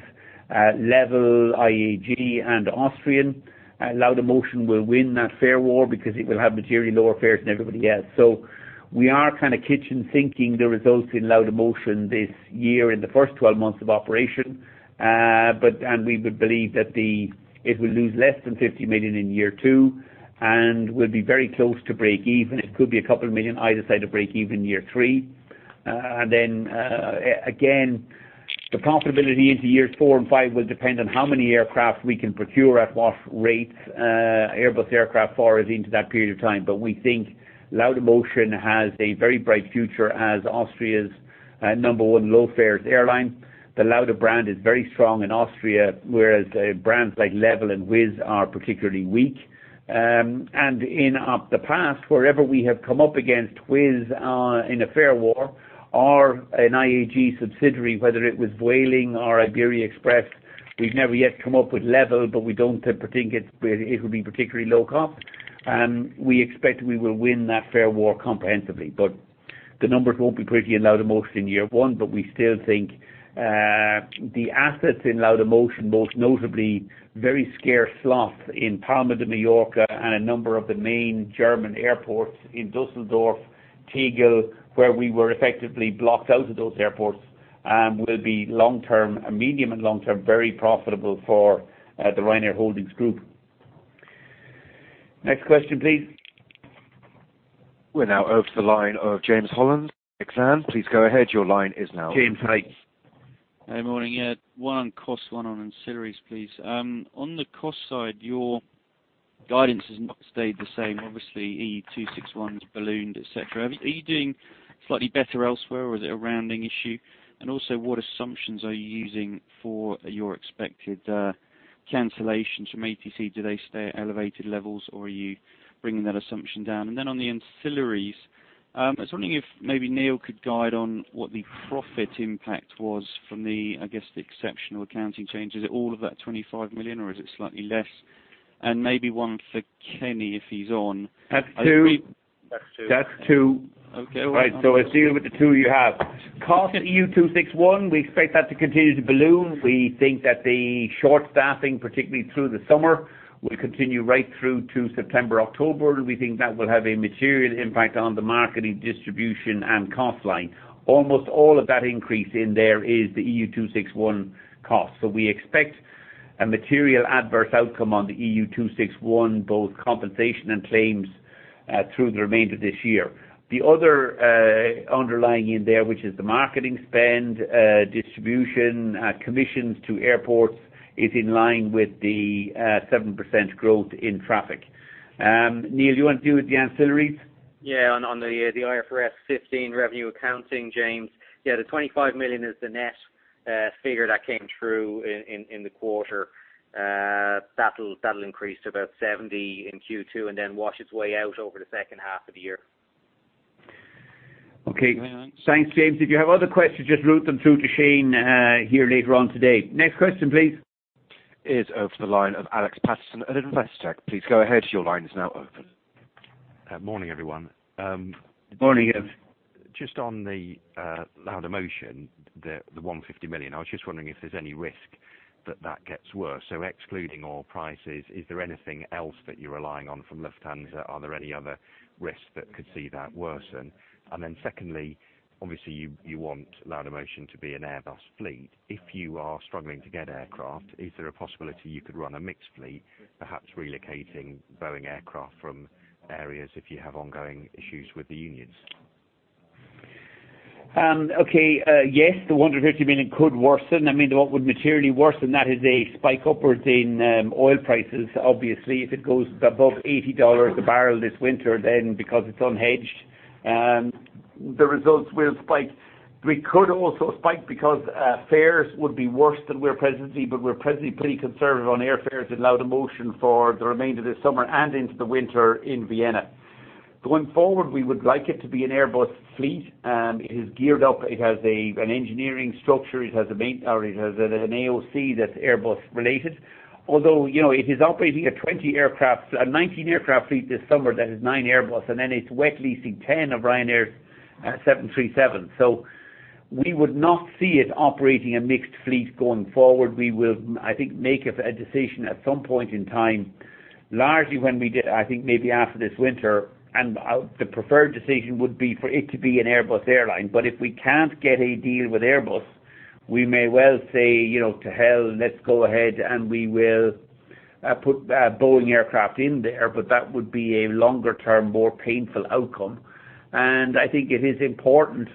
LEVEL, IAG, and Austrian. Laudamotion will win that fare war because it will have materially lower fares than everybody else. We are kind of kitchen sinking the results in Laudamotion this year in the first 12 months of operation. We would believe that it will lose less than 50 million in year two and will be very close to breakeven. It could be a couple of million either side of breakeven year three. Then again, the profitability into years four and five will depend on how many aircraft we can procure at what rates Airbus Aircraft [pricing] into that period of time. We think Laudamotion has a very bright future as Austria's number one low fares airline. The Lauda brand is very strong in Austria, whereas brands like LEVEL and Wizz are particularly weak. In the past, wherever we have come up against Wizz in a fare war or an IAG subsidiary, whether it was Vueling or Iberia Express, we've never yet come up with LEVEL, but we don't think it will be particularly low cost. We expect we will win that fare war comprehensively. The numbers won't be pretty in Laudamotion in year one, but we still think the assets in Laudamotion, most notably very scarce slots in Palma de Mallorca and a number of the main German airports in Düsseldorf, Tegel, where we were effectively blocked out of those airports will be medium and long-term, very profitable for the Ryanair Holdings Group. Next question, please. We're now over to the line of James Holland. Please go ahead. Your line is now open. James, hi. Good morning. Yeah. One on cost, one on ancillaries, please. On the cost side, your guidance has not stayed the same. Obviously, EU261s ballooned, et cetera. Are you doing slightly better elsewhere, or is it a rounding issue? Also, what assumptions are you using for your expected cancellations from ATC? Do they stay at elevated levels, or are you bringing that assumption down? Then on the ancillaries, I was wondering if maybe Neil could guide on what the profit impact was from the, I guess, the exceptional accounting changes. Is it all of that 25 million, or is it slightly less? Maybe one for Kenny, if he's on. That's two. Okay. Right. I'll deal with the two you have. Cost EU261, we expect that to continue to balloon. We think that the short staffing, particularly through the summer, will continue right through to September, October. We think that will have a material impact on the marketing, distribution, and cost line. Almost all of that increase in there is the EU261 cost. We expect a material adverse outcome on the EU261, both compensation and claims, through the remainder of this year. The other underlying in there, which is the marketing spend, distribution, commissions to airports, is in line with the 7% growth in traffic. Neil, do you want to deal with the ancillaries? On the IFRS 15 revenue accounting, James. The 25 million is the net figure that came through in the quarter. That'll increase to about 70 in Q2 and then wash its way out over the second half of the year. Okay. Thanks, James. If you have other questions, just route them through to Shane here later on today. Next question, please. Is over to the line of Alexander Paterson at Investec. Please go ahead. Your line is now open. Morning, everyone. Morning, Alex. Just on the Laudamotion, the 150 million. I was just wondering if there's any risk that that gets worse. Excluding oil prices, is there anything else that you're relying on from Lufthansa? Are there any other risks that could see that worsen? Secondly, obviously, you want Laudamotion to be an Airbus fleet. If you are struggling to get aircraft, is there a possibility you could run a mixed fleet, perhaps relocating Boeing aircraft from areas if you have ongoing issues with the unions? Okay. Yes, the 150 million could worsen. What would materially worsen that is a spike upwards in oil prices. Obviously, if it goes above $80 a barrel this winter, then because it's unhedged, the results will spike. We could also spike because fares would be worse than we're presently, but we're presently pretty conservative on airfares in Laudamotion for the remainder of this summer and into the winter in Vienna. Going forward, we would like it to be an Airbus fleet. It is geared up. It has an engineering structure. It has an AOC that's Airbus related, although it is operating a 19 aircraft fleet this summer that is nine Airbus, and then it's wet leasing 10 of Ryanair's 737. We would not see it operating a mixed fleet going forward. We will, I think, make a decision at some point in time, largely I think maybe after this winter. The preferred decision would be for it to be an Airbus airline. If we can't get a deal with Airbus, we may well say, "To hell, let's go ahead," and we will put Boeing aircraft in there. That would be a longer-term, more painful outcome. I think it is important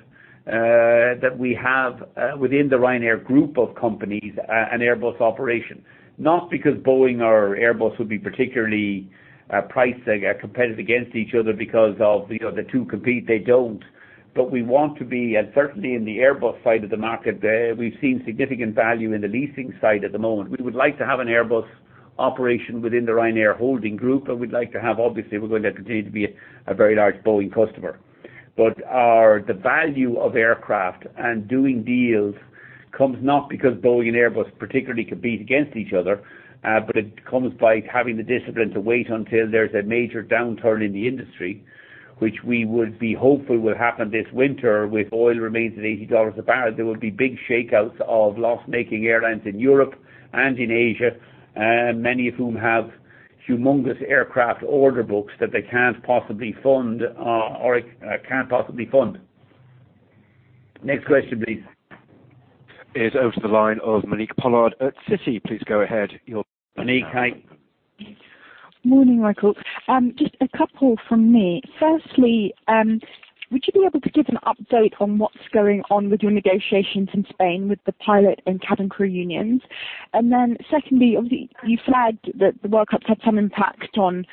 that we have within the Ryanair Group of companies, an Airbus operation, not because Boeing or Airbus would be particularly priced competitive against each other because the two compete, they don't. Certainly in the Airbus side of the market, we've seen significant value in the leasing side at the moment. We would like to have an Airbus operation within the Ryanair Holdings plc. We'd like to have, obviously, we're going to continue to be a very large Boeing customer. The value of aircraft and doing deals comes not because Boeing and Airbus particularly compete against each other, but it comes by having the discipline to wait until there's a major downturn in the industry, which we would be hopeful will happen this winter with oil remains at $80 a barrel. There will be big shakeouts of loss-making airlines in Europe and in Asia, many of whom have humongous aircraft order books that they can't possibly fund. Next question, please. Is over to the line of Monique Pollard at Citi. Please go ahead. Monique, hi. Morning, Michael. Just a couple from me. Firstly, would you be able to give an update on what's going on with your negotiations in Spain with the pilot and cabin crew unions? Secondly, obviously, you flagged that the World Cup had some impact on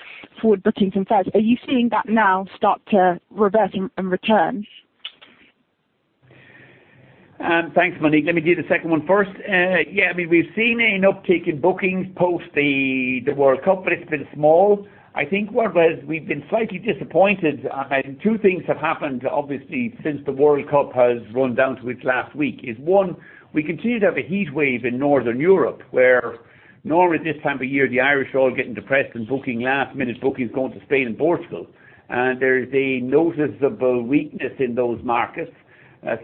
forward bookings and fares. Are you seeing that now start to reverse and return? Thanks, Monique. Let me do the second one first. Yeah, we've seen an uptick in bookings post the World Cup, but it's been small. I think where we've been slightly disappointed, two things have happened, obviously, since the World Cup has run down to its last week is, one, we continue to have a heat wave in Northern Europe where normally this time of year, the Irish are all getting depressed and booking last-minute bookings going to Spain and Portugal. There is a noticeable weakness in those markets,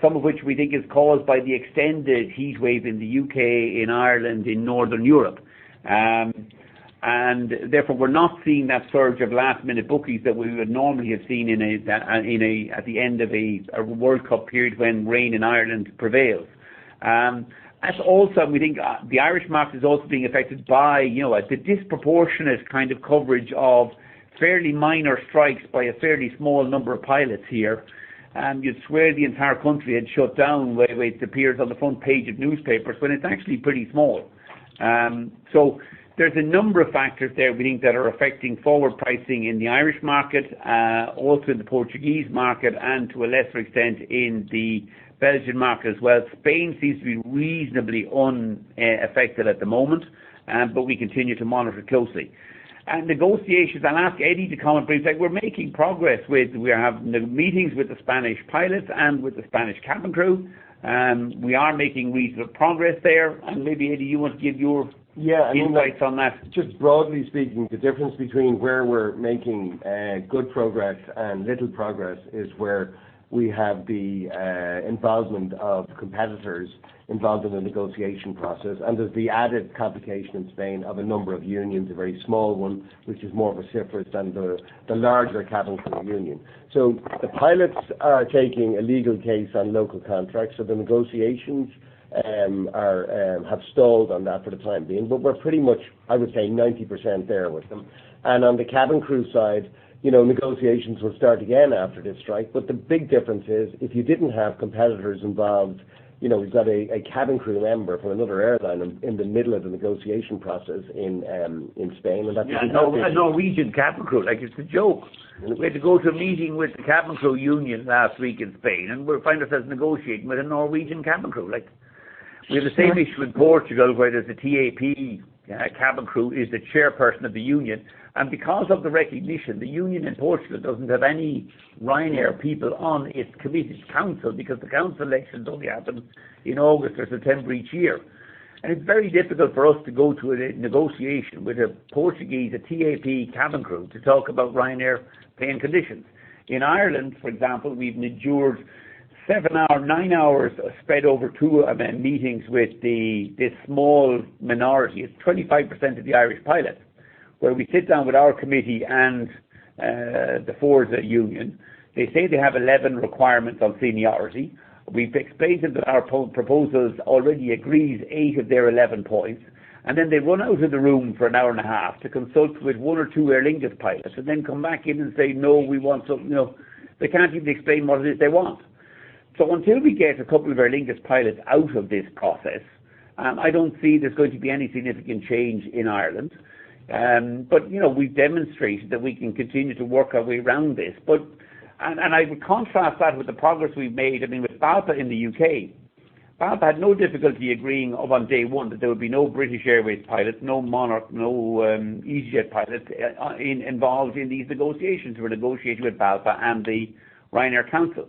some of which we think is caused by the extended heat wave in the U.K., in Ireland, in Northern Europe. Therefore, we're not seeing that surge of last-minute bookings that we would normally have seen at the end of a World Cup period when rain in Ireland prevails. Also, we think the Irish market is also being affected by the disproportionate kind of coverage of fairly minor strikes by a fairly small number of pilots here. You'd swear the entire country had shut down the way it appears on the front page of newspapers, when it's actually pretty small. There's a number of factors there we think that are affecting forward pricing in the Irish market, also in the Portuguese market, and to a lesser extent, in the Belgian market as well. Spain seems to be reasonably unaffected at the moment, but we continue to monitor closely. Negotiations, I'll ask Eddie to comment briefly. We are having the meetings with the Spanish pilots and with the Spanish cabin crew. We are making reasonable progress there. Maybe, Eddie, you want to give your- Yeah insights on that. Just broadly speaking, the difference between where we're making good progress and little progress is where we have the involvement of competitors involved in the negotiation process. There's the added complication in Spain of a number of unions, a very small one, which is more of a cipher than the larger cabin crew union. The pilots are taking a legal case on local contracts. The negotiations have stalled on that for the time being. We're pretty much, I would say, 90% there with them. On the cabin crew side, negotiations will start again after this strike. The big difference is, if you didn't have competitors involved, we've got a cabin crew member from another airline in the middle of the negotiation process in Spain, and that's- Yeah, a Norwegian cabin crew. Like it's a joke. Isn't it? We had to go to a meeting with the cabin crew union last week in Spain, we find ourselves negotiating with a Norwegian cabin crew. We have the same issue in Portugal where there's a TAP cabin crew is the chairperson of the union. Because of the recognition, the union in Portugal doesn't have any Ryanair people on its committee council because the council elections only happen in August or September each year. It's very difficult for us to go to a negotiation with a Portuguese, a TAP cabin crew, to talk about Ryanair pay and conditions. In Ireland, for example, we've endured seven hour, nine hours spread over two event meetings with this small minority. It's 25% of the Irish pilots, where we sit down with our committee and the Fórsa union. They say they have 11 requirements on seniority. We've explained to them that our proposals already agrees eight of their 11 points, then they run out of the room for an hour and a half to consult with one or two Aer Lingus pilots, then come back in and say, "No, we want something." They can't even explain what it is they want. Until we get a couple of Aer Lingus pilots out of this process, I don't see there's going to be any significant change in Ireland. We've demonstrated that we can continue to work our way around this. I would contrast that with the progress we've made, with BALPA in the U.K. BALPA had no difficulty agreeing upon day one that there would be no British Airways pilots, no Monarch, no EasyJet pilots involved in these negotiations. We're negotiating with BALPA and the Ryanair council.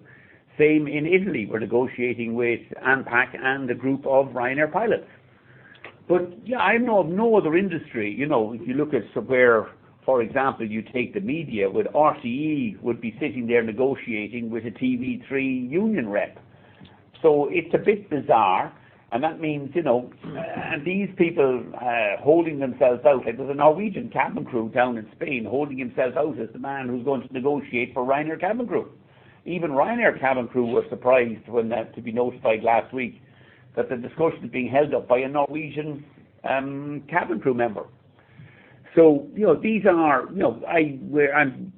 Same in Italy. We're negotiating with ANPAC and the group of Ryanair pilots. But yeah, I know of no other industry. If you look at somewhere, for example, you take the media with RTÉ would be sitting there negotiating with a TV3 union rep. It's a bit bizarre, that means, these people holding themselves out. There's a Norwegian cabin crew down in Spain holding himself out as the man who's going to negotiate for Ryanair cabin crew. Even Ryanair cabin crew were surprised to be notified last week that the discussion is being held up by a Norwegian cabin crew member. I'm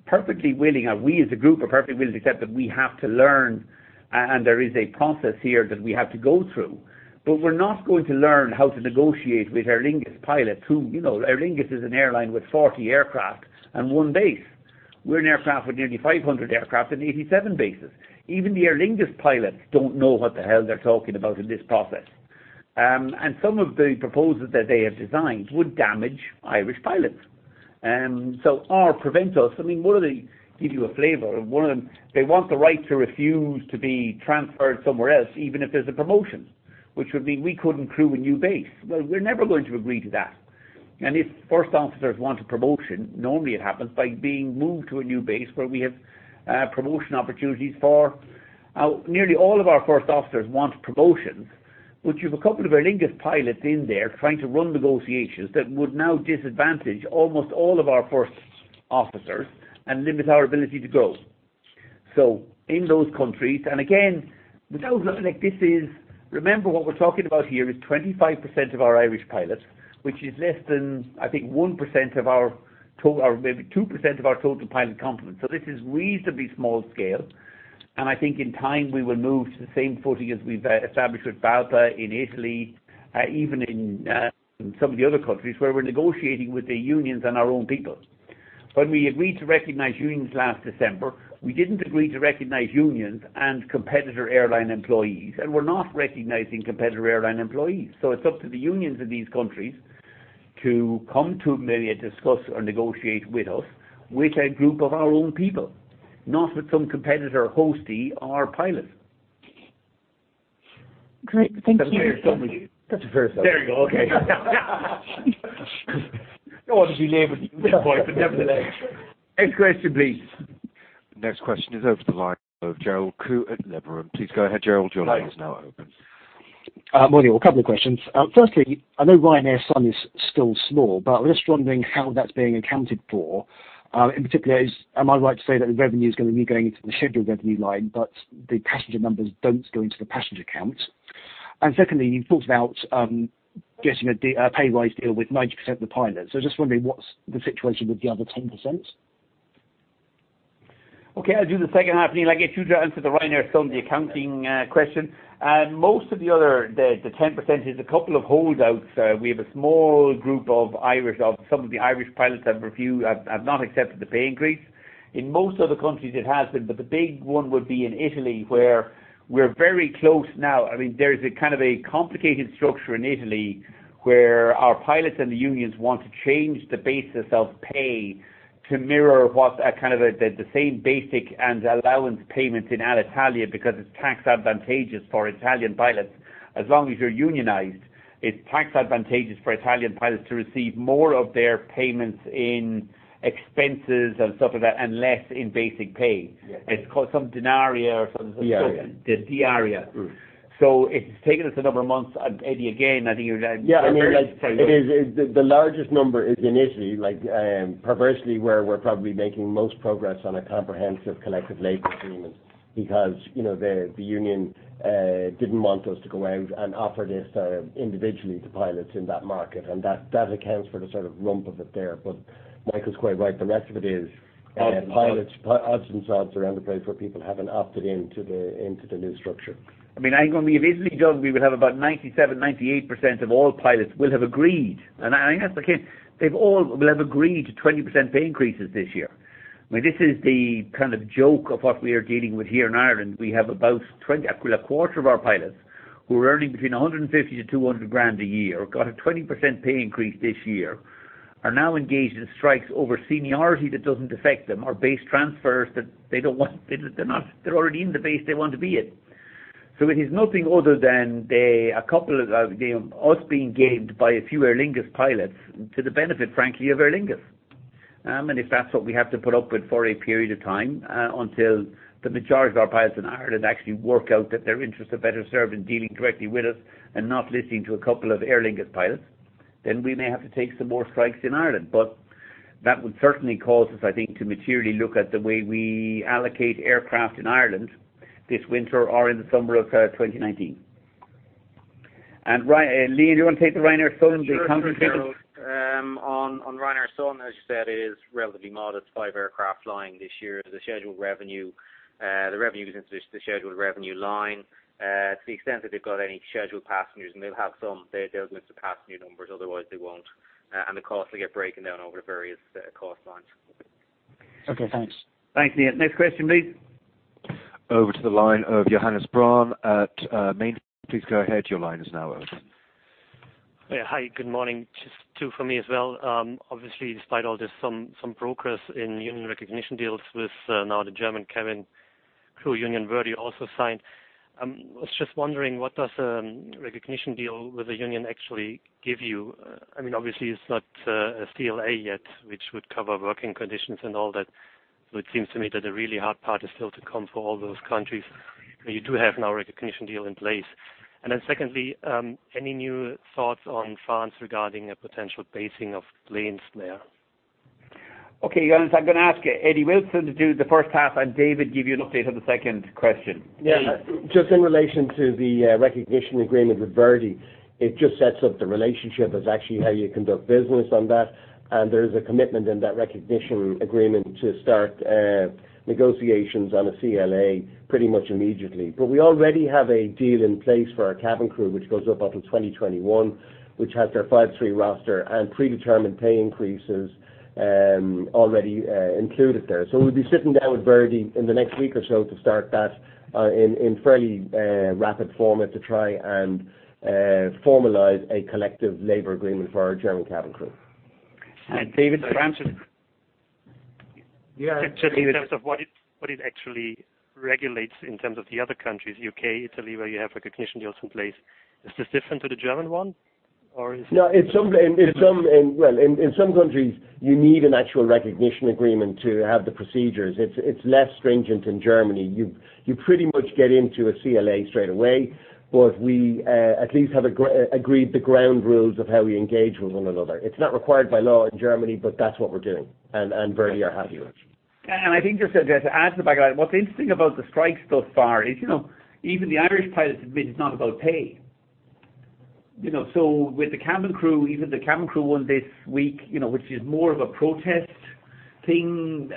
perfectly willing, we as a group are perfectly willing to accept that we have to learn, there is a process here that we have to go through. We're not going to learn how to negotiate with Aer Lingus pilots who, Aer Lingus is an airline with 40 aircraft and one base. We're an aircraft with nearly 500 aircraft and 87 bases. Even the Aer Lingus pilots don't know what the hell they're talking about in this process. Some of the proposals that they have designed would damage Irish pilots. Or prevent us. I mean, Give you a flavor, one of them, they want the right to refuse to be transferred somewhere else, even if there's a promotion. Which would mean we couldn't crew a new base. Well, we're never going to agree to that. If first officers want a promotion, normally it happens by being moved to a new base where we have promotion opportunities for. Nearly all of our first officers want promotions. You've a couple of Aer Lingus pilots in there trying to run negotiations that would now disadvantage almost all of our first officers and limit our ability to grow. In those countries, and again, without looking like this is. Remember, what we're talking about here is 25% of our Irish pilots, which is less than, I think, 1% of our total, or maybe 2% of our total pilot complement. This is reasonably small scale, and I think in time we will move to the same footing as we've established with BALPA in Italy, even in some of the other countries where we're negotiating with the unions and our own people. When we agreed to recognize unions last December, we didn't agree to recognize unions and competitor airline employees, and we're not recognizing competitor airline employees. It's up to the unions in these countries to come to maybe a discuss or negotiate with us with a group of our own people, not with some competitor hostie or pilot. Great. Thank you. That's a fair summary. There you go. Okay. Don't want to belabor the point, but nevertheless. Next question, please. Next question is over the line of Gerald Khoo at Liberum. Please go ahead, Gerald. Your line is now open. Morning. Well, a couple of questions. Firstly, I know Ryanair Sun is still small, but I'm just wondering how that's being accounted for. In particular, am I right to say that the revenue is going to be going into the scheduled revenue line, but the passenger numbers don't go into the passenger count? Secondly, you've talked about getting a pay rise deal with 90% of the pilots. I'm just wondering what's the situation with the other 10%? Okay, I'll do the second happening. I'll get you to answer the Ryanair Sun, the accounting question. Most of the other, the 10%, is a couple of holdouts. We have a small group of some of the Irish pilots have not accepted the pay increase. In most other countries it has been, but the big one would be in Italy, where we're very close now. There's a kind of complicated structure in Italy where our pilots and the unions want to change the basis of pay to mirror what's kind of the same basic and allowance payments in Alitalia, because it's tax advantageous for Italian pilots. As long as you're unionized, it's tax advantageous for Italian pilots to receive more of their payments in expenses and stuff like that, and less in basic pay. Yes. It's called some diaria. Diaria. The diaria. It's taken us a number of months, Eddie. Yeah. The largest number is in Italy, perversely where we're probably making most progress on a comprehensive collective labor agreement because the union didn't want us to go out and offer this individually to pilots in that market. That accounts for the sort of rump of it there. Michael's quite right. The rest of it is. Odds and sods odds and sods around the place where people haven't opted into the new structure. I mean, when we have Italy done, we will have about 97%-98% of all pilots will have agreed. That's the case. They all will have agreed to 20% pay increases this year. I mean, this is the kind of joke of what we are dealing with here in Ireland. We have about a quarter of our pilots who are earning between 150 grand-GBP 200 grand a year, got a 20% pay increase this year, are now engaged in strikes over seniority that doesn't affect them, or base transfers that they don't want. They're already in the base they want to be in. It is nothing other than us being gamed by a few Aer Lingus pilots to the benefit, frankly, of Aer Lingus. If that's what we have to put up with for a period of time until the majority of our pilots in Ireland actually work out that their interests are better served in dealing directly with us and not listening to a couple of Aer Lingus pilots, we may have to take some more strikes in Ireland. That would certainly cause us, I think, to materially look at the way we allocate aircraft in Ireland this winter or in the summer of 2019. Neil, do you want to take the Ryanair Sun, the accounting? Sure. On Ryanair Sun, as you said, it is relatively modest. Five aircraft flying this year. The revenue is into the scheduled revenue line. To the extent that they've got any scheduled passengers, and they'll have some, they'll miss the passenger numbers, otherwise they won't. The costs will get broken down over the various cost lines. Okay, thanks. Thanks, Neil. Next question, please. Over to the line of Johannes Braun at MainFirst. Please go ahead. Your line is now open. Hi, good morning. Just two for me as well. Obviously, despite all this, some progress in union recognition deals with now the German cabin crew union, Verdi also signed. I was just wondering what does a recognition deal with the union actually give you? Obviously, it's not a CLA yet, which would cover working conditions and all that. It seems to me that the really hard part is still to come for all those countries where you do have now a recognition deal in place. Secondly, any new thoughts on France regarding a potential basing of planes there? Okay, Johannes, I'm going to ask Eddie Wilson to do the first half, and David give you an update on the second question. Eddie. Yeah. Just in relation to the recognition agreement with Verdi, it just sets up the relationship as actually how you conduct business on that. There is a commitment in that recognition agreement to start negotiations on a CLA pretty much immediately. We already have a deal in place for our cabin crew, which goes up until 2021, which has their 5-3 roster and predetermined pay increases already included there. We'll be sitting down with Verdi in the next week or so to start that in fairly rapid format to try and formalize a collective labor agreement for our German cabin crew. David? France? Yeah. Just in terms of what it actually regulates in terms of the other countries, U.K., Italy, where you have recognition deals in place. Is this different to the German one, or is it? No. In some countries, you need an actual recognition agreement to have the procedures. It's less stringent in Germany. You pretty much get into a CLA straight away. We at least have agreed the ground rules of how we engage with one another. It's not required by law in Germany, but that's what we're doing, and Verdi are happy with. I think just to add to the background, what's interesting about the strikes thus far is even the Irish pilots admit it's not about pay. With the cabin crew, even the cabin crew one this week, which is more of a protest thing.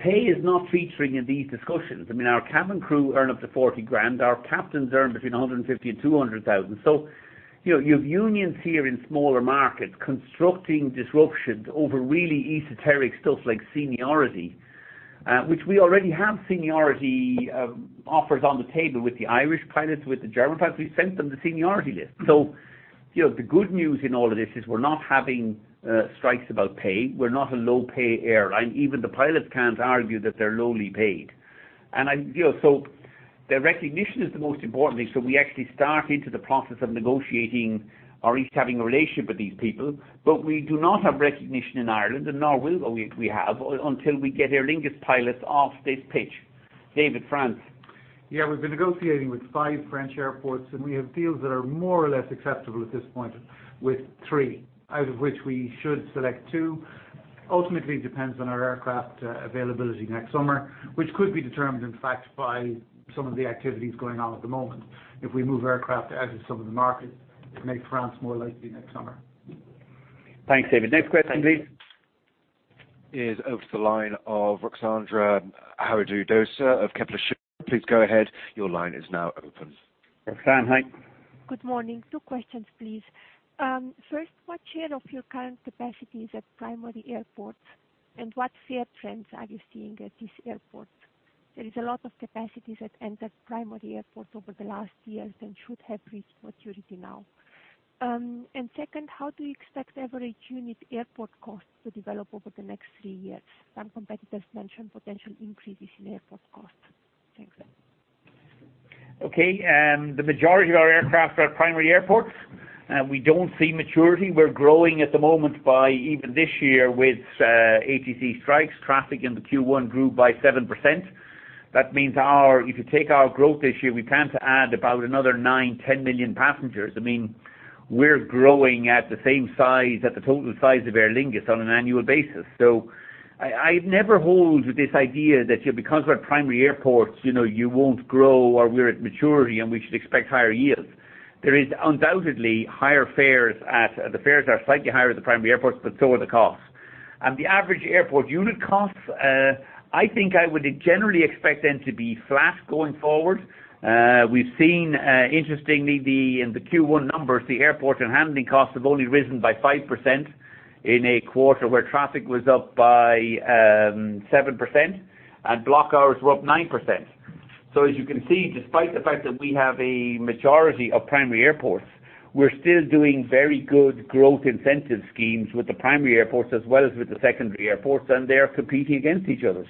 Pay is not featuring in these discussions. Our cabin crew earn up to 40,000. Our captains earn between 150,000 and 200,000. You have unions here in smaller markets constructing disruptions over really esoteric stuff like seniority, which we already have seniority offers on the table with the Irish pilots, with the German pilots. We've sent them the seniority list. The good news in all of this is we're not having strikes about pay. We're not a low-pay airline. Even the pilots can't argue that they're lowly paid. The recognition is the most important thing, so we actually start into the process of negotiating or at least having a relationship with these people. We do not have recognition in Ireland, and nor will we have until we get Aer Lingus pilots off this pitch. David, France. We've been negotiating with five French airports. We have deals that are more or less acceptable at this point with three, out of which we should select two. Ultimately, it depends on our aircraft availability next summer, which could be determined, in fact, by some of the activities going on at the moment. If we move aircraft out of some of the markets, it'll make France more likely next summer. Thanks, David. Next question, please. Is over to the line of Roksandra Gawrylczyk of Kepler Cheuvreux. Please go ahead. Your line is now open. Roksan, hi. Good morning. Two questions, please. First, what share of your current capacity is at primary airports, and what fare trends are you seeing at these airports? There is a lot of capacity that entered primary airports over the last years and should have reached maturity now. Second, how do you expect average unit airport costs to develop over the next three years? Some competitors mentioned potential increases in airport costs. Thanks. Okay. The majority of our aircraft are at primary airports. We don't see maturity. We're growing at the moment by even this year with ATC strikes. Traffic into Q1 grew by 7%. That means if you take our growth this year, we plan to add about another nine, 10 million passengers. We're growing at the same size as the total size of Aer Lingus on an annual basis. I never hold with this idea that because we're at primary airports you won't grow or we're at maturity and we should expect higher yields. The fares are slightly higher at the primary airports, but so are the costs. The average airport unit costs, I think I would generally expect them to be flat going forward. We've seen, interestingly, in the Q1 numbers, the airport and handling costs have only risen by 5% in a quarter where traffic was up by 7% and block hours were up 9%. As you can see, despite the fact that we have a majority of primary airports, we're still doing very good growth incentive schemes with the primary airports as well as with the secondary airports, and they are competing against each other.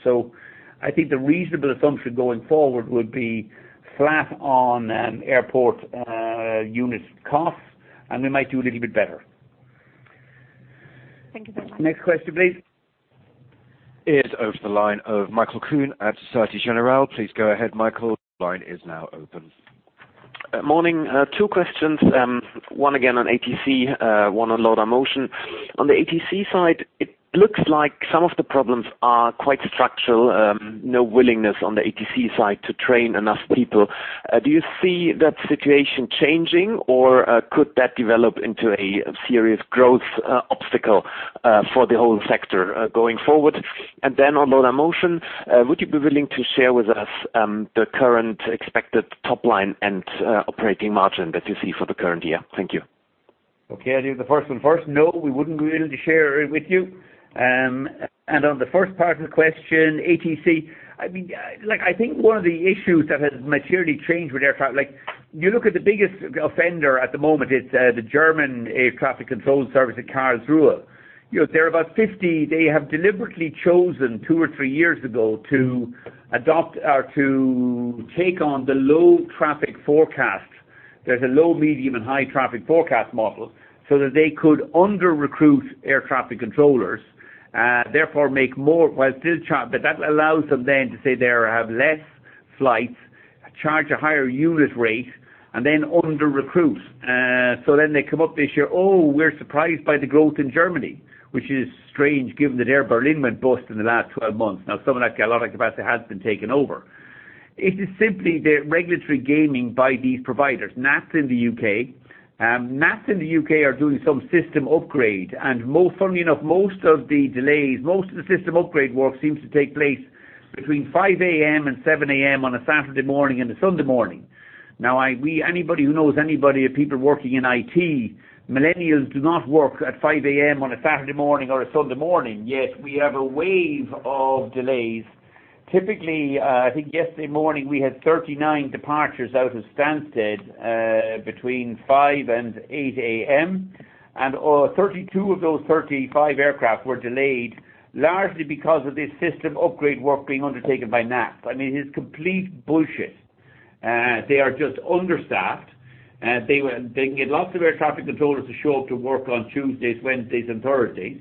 I think the reasonable assumption going forward would be flat on airport unit costs, and we might do a little bit better. Thank you very much. Next question, please. Is over to the line of Michael Kuhn at Societe Generale. Please go ahead, Michael. Your line is now open. Morning. Two questions. One again on ATC, one on Laudamotion. On the ATC side, it looks like some of the problems are quite structural. No willingness on the ATC side to train enough people. Do you see that situation changing, or could that develop into a serious growth obstacle for the whole sector going forward? On Laudamotion, would you be willing to share with us the current expected top line and operating margin that you see for the current year? Thank you. Okay. I'll do the first one first. No, we wouldn't be able to share it with you. On the first part of the question, ATC, I think one of the issues that has materially changed with air travel. You look at the biggest offender at the moment, it's the German air traffic control service at Karlsruhe. They have deliberately chosen two or three years ago to take on the low traffic forecast. There's a low, medium, and high traffic forecast model so that they could under-recruit air traffic controllers. That allows them then to say they have less flights, charge a higher unit rate, and then under-recruit. They come up, they share, "Oh, we're surprised by the growth in Germany." Which is strange given that Air Berlin went bust in the last 12 months. Now, some of that capacity has been taken over. It is simply the regulatory gaming by these providers. NATS in the U.K. NATS in the U.K. are doing some system upgrade, funnily enough, most of the system upgrade work seems to take place between 5:00 A.M. and 7:00 A.M. on a Saturday morning and a Sunday morning. Anybody who knows anybody of people working in IT, millennials do not work at 5:00 A.M. on a Saturday morning or a Sunday morning, yet we have a wave of delays. I think yesterday morning, we had 39 departures out of Stansted between 5:00 A.M. and 8:00 A.M., and 32 of those 35 aircraft were delayed largely because of this system upgrade work being undertaken by NATS. It's complete bullshit. They are just understaffed. They can get lots of air traffic controllers to show up to work on Tuesdays, Wednesdays, and Thursdays.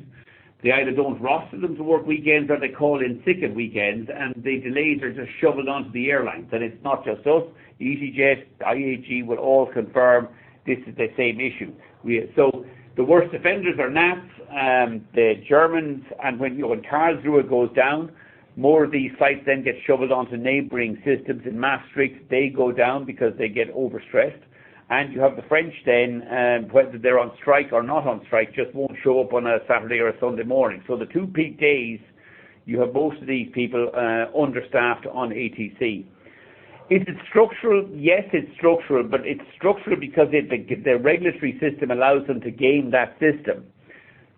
They either don't roster them to work weekends, or they call in sick at weekends, and the delays are just shoveled onto the airlines. It's not just us. IAG will all confirm this is the same issue. The worst offenders are NATS, the Germans, and when Karlsruhe goes down, more of these flights then get shoveled onto neighboring systems in Maastricht. They go down because they get overstressed. You have the French then, whether they're on strike or not on strike, just won't show up on a Saturday or a Sunday morning. The two peak days, you have most of these people understaffed on ATC. Is it structural? Yes, it's structural. It's structural because their regulatory system allows them to game that system.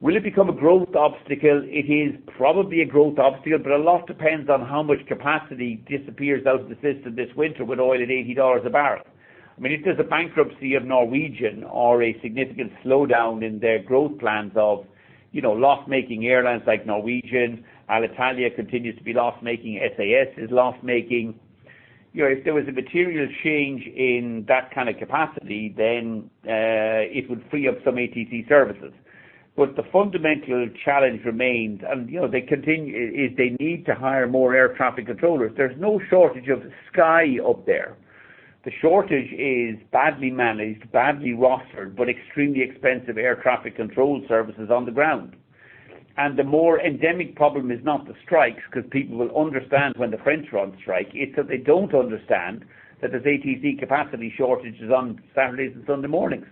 Will it become a growth obstacle? It is probably a growth obstacle. A lot depends on how much capacity disappears out of the system this winter with oil at $80 a barrel. If there is a bankruptcy of Norwegian or a significant slowdown in their growth plans of loss-making airlines like Norwegian, Alitalia continues to be loss-making, SAS is loss-making. If there was a material change in that kind of capacity, then it would free up some ATC services. The fundamental challenge remains, is they need to hire more air traffic controllers. There is no shortage of sky up there. The shortage is badly managed, badly rostered, but extremely expensive air traffic control services on the ground. The more endemic problem is not the strikes, because people will understand when the French are on strike. It is that they do not understand that there is ATC capacity shortages on Saturdays and Sunday mornings.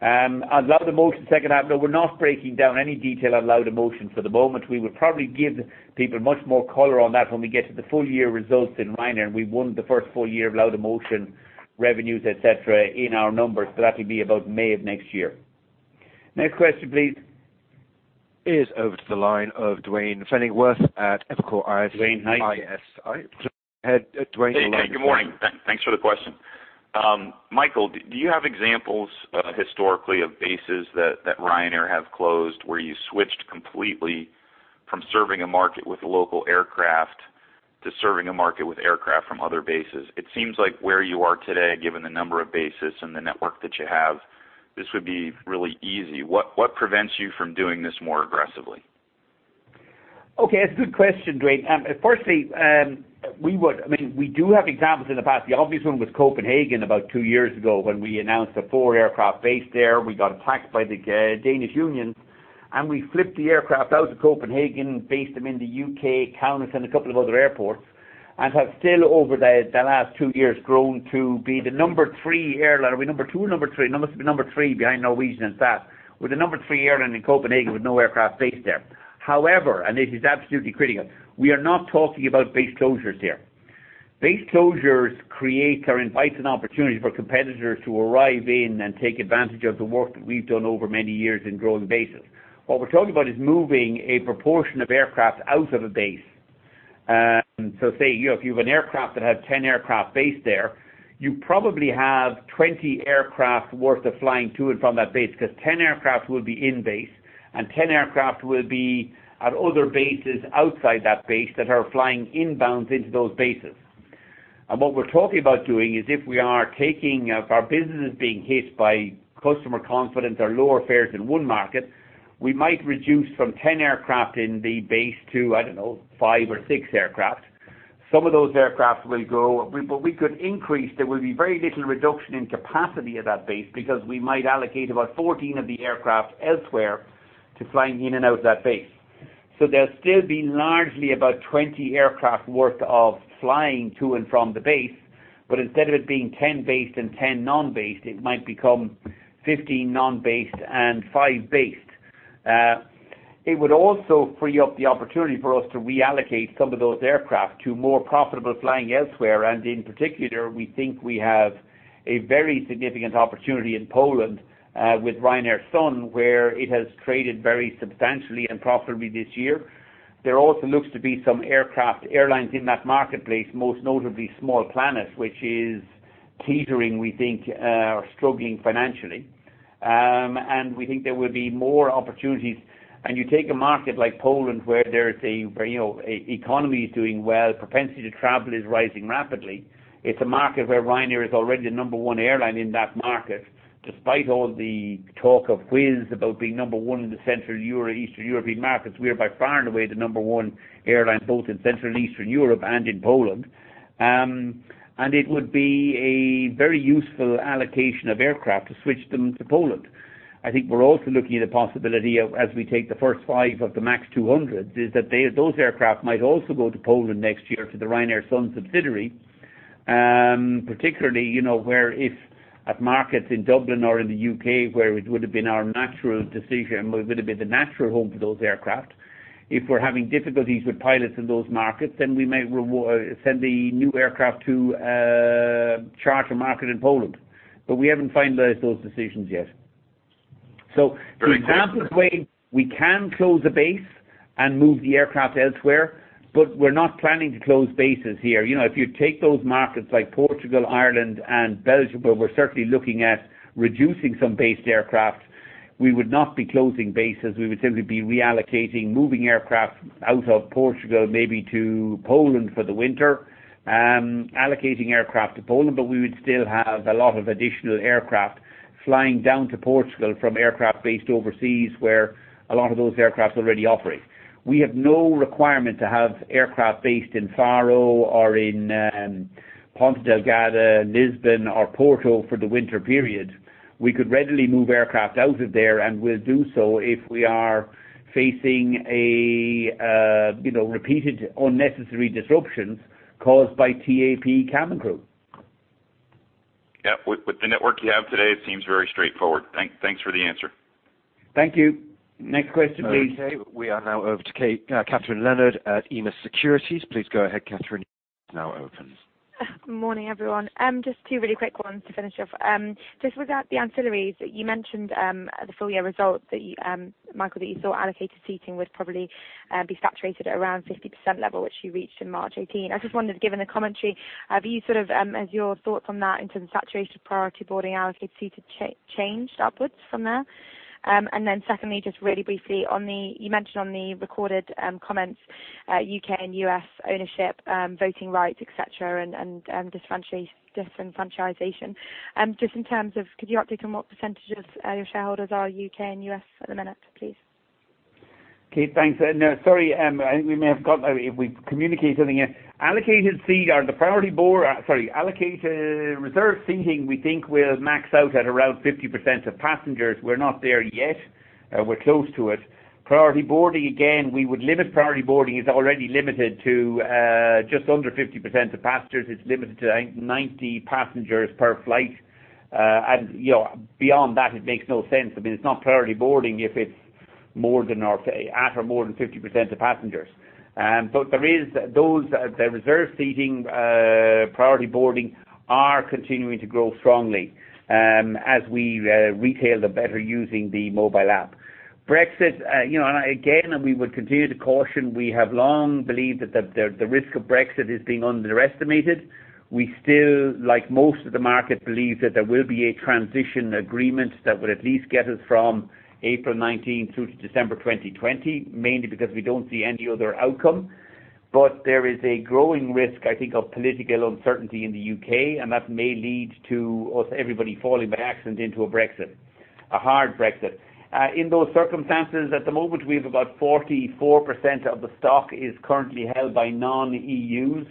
On Laudamotion H2, no, we are not breaking down any detail on Laudamotion for the moment. We will probably give people much more color on that when we get to the full-year results in Ryanair, and we won the first full year of Laudamotion revenues, et cetera, in our numbers. That will be about May of next year. Next question, please. Is over to the line of Duane Pfennigwerth at Evercore ISI. Duane, hi. Isi. Go ahead, Duane. Hey. Good morning. Thanks for the question. Michael, do you have examples historically of bases that Ryanair have closed where you switched completely from serving a market with a local aircraft to serving a market with aircraft from other bases? It seems like where you are today, given the number of bases and the network that you have, this would be really easy. What prevents you from doing this more aggressively? Okay. That's a good question, Duane. Firstly, we do have examples in the past. The obvious one was Copenhagen about 2 years ago when we announced a 4-aircraft base there. We got attacked by the Danish Union, we flipped the aircraft out of Copenhagen, based them in the U.K., Kaunas, and a couple of other airports, and have still over the last 2 years grown to be the number 3 airline. Are we number 2 or number 3? Must be number 3 behind Norwegian and SAS. We're the number 3 airline in Copenhagen with no aircraft based there. This is absolutely critical, we are not talking about base closures here. Base closures invites an opportunity for competitors to arrive in and take advantage of the work that we have done over many years in growing bases. What we're talking about is moving a proportion of aircraft out of a base. Say, if you have an aircraft that has 10 aircraft based there, you probably have 20 aircraft worth of flying to and from that base because 10 aircraft will be in base and 10 aircraft will be at other bases outside that base that are flying inbound into those bases. What we're talking about doing is if our business is being hit by customer confidence or lower fares in one market, we might reduce from 10 aircraft in the base to, I don't know, five or six aircraft. Some of those aircraft will go. There will be very little reduction in capacity at that base because we might allocate about 14 of the aircraft elsewhere to flying in and out of that base. There'll still be largely about 20 aircraft worth of flying to and from the base, but instead of it being 10 based and 10 non-based, it might become 15 non-based and five based. It would also free up the opportunity for us to reallocate some of those aircraft to more profitable flying elsewhere. In particular, we think we have a very significant opportunity in Poland with Ryanair Sun, where it has traded very substantially and profitably this year. There also looks to be some airlines in that marketplace, most notably Small Planet, which is teetering, we think, or struggling financially. We think there will be more opportunities. You take a market like Poland, where the economy is doing well, propensity to travel is rising rapidly. It's a market where Ryanair is already the number one airline in that market, despite all the talk of Wizz about being number one in the Central Europe, Eastern European markets. We are by far and away the number one airline both in Central and Eastern Europe and in Poland. It would be a very useful allocation of aircraft to switch them to Poland. I think we're also looking at the possibility of as we take the first five of the MAX 200, is that those aircraft might also go to Poland next year to the Ryanair Sun subsidiary. Particularly, where if at markets in Dublin or in the U.K., where it would have been our natural decision, would have been the natural home for those aircraft. If we're having difficulties with pilots in those markets, we may send the new aircraft to a charter market in Poland. We haven't finalized those decisions yet. Very clear We can close a base and move the aircraft elsewhere, but we're not planning to close bases here. If you take those markets like Portugal, Ireland, and Belgium, where we're certainly looking at reducing some based aircraft, we would not be closing bases. We would simply be reallocating, moving aircraft out of Portugal, maybe to Poland for the winter, allocating aircraft to Poland. We would still have a lot of additional aircraft flying down to Portugal from aircraft based overseas where a lot of those aircraft already operate. We have no requirement to have aircraft based in Faro or in Ponta Delgada, Lisbon, or Porto for the winter period. We could readily move aircraft out of there, and we'll do so if we are facing repeated unnecessary disruptions caused by TAP cabin crew. Yeah. With the network you have today, it seems very straightforward. Thanks for the answer. Thank you. Next question, please. Okay. We are now over to Katherine Leonard at Numis Securities. Please go ahead, Katherine. Your line is now open. Morning, everyone. Just two really quick ones to finish off. Just with the ancillaries, you mentioned, the full year results, Michael, that you saw allocated seating would probably be saturated around 50% level, which you reached in March 2018. I just wondered, given the commentary, have your thoughts on that in terms of saturation of priority boarding allocated seated changed upwards from there? Secondly, just really briefly, you mentioned on the recorded comments, U.K. and U.S. ownership, voting rights, et cetera, and disenfranchisation. Just in terms of, could you update on what percentage of your shareholders are U.K. and U.S. at the minute, please? Kate, thanks. No, sorry, I think we may have got. Reserved seating, we think will max out at around 50% of passengers. We're not there yet. We're close to it. Priority boarding, again, we would limit priority boarding. It's already limited to just under 50% of passengers. It's limited to, I think, 90 passengers per flight. Beyond that, it makes no sense. It's not priority boarding if it's at or more than 50% of passengers. The reserve seating, priority boarding are continuing to grow strongly as we retail them better using the mobile app. Brexit, we would continue to caution, we have long believed that the risk of Brexit is being underestimated. We still, like most of the market, believe that there will be a transition agreement that will at least get us from April 2019 through to December 2020, mainly because we don't see any other outcome. There is a growing risk, I think, of political uncertainty in the U.K., and that may lead to everybody falling by accident into a Brexit, a hard Brexit. In those circumstances, at the moment, we have about 44% of the stock is currently held by non-EU.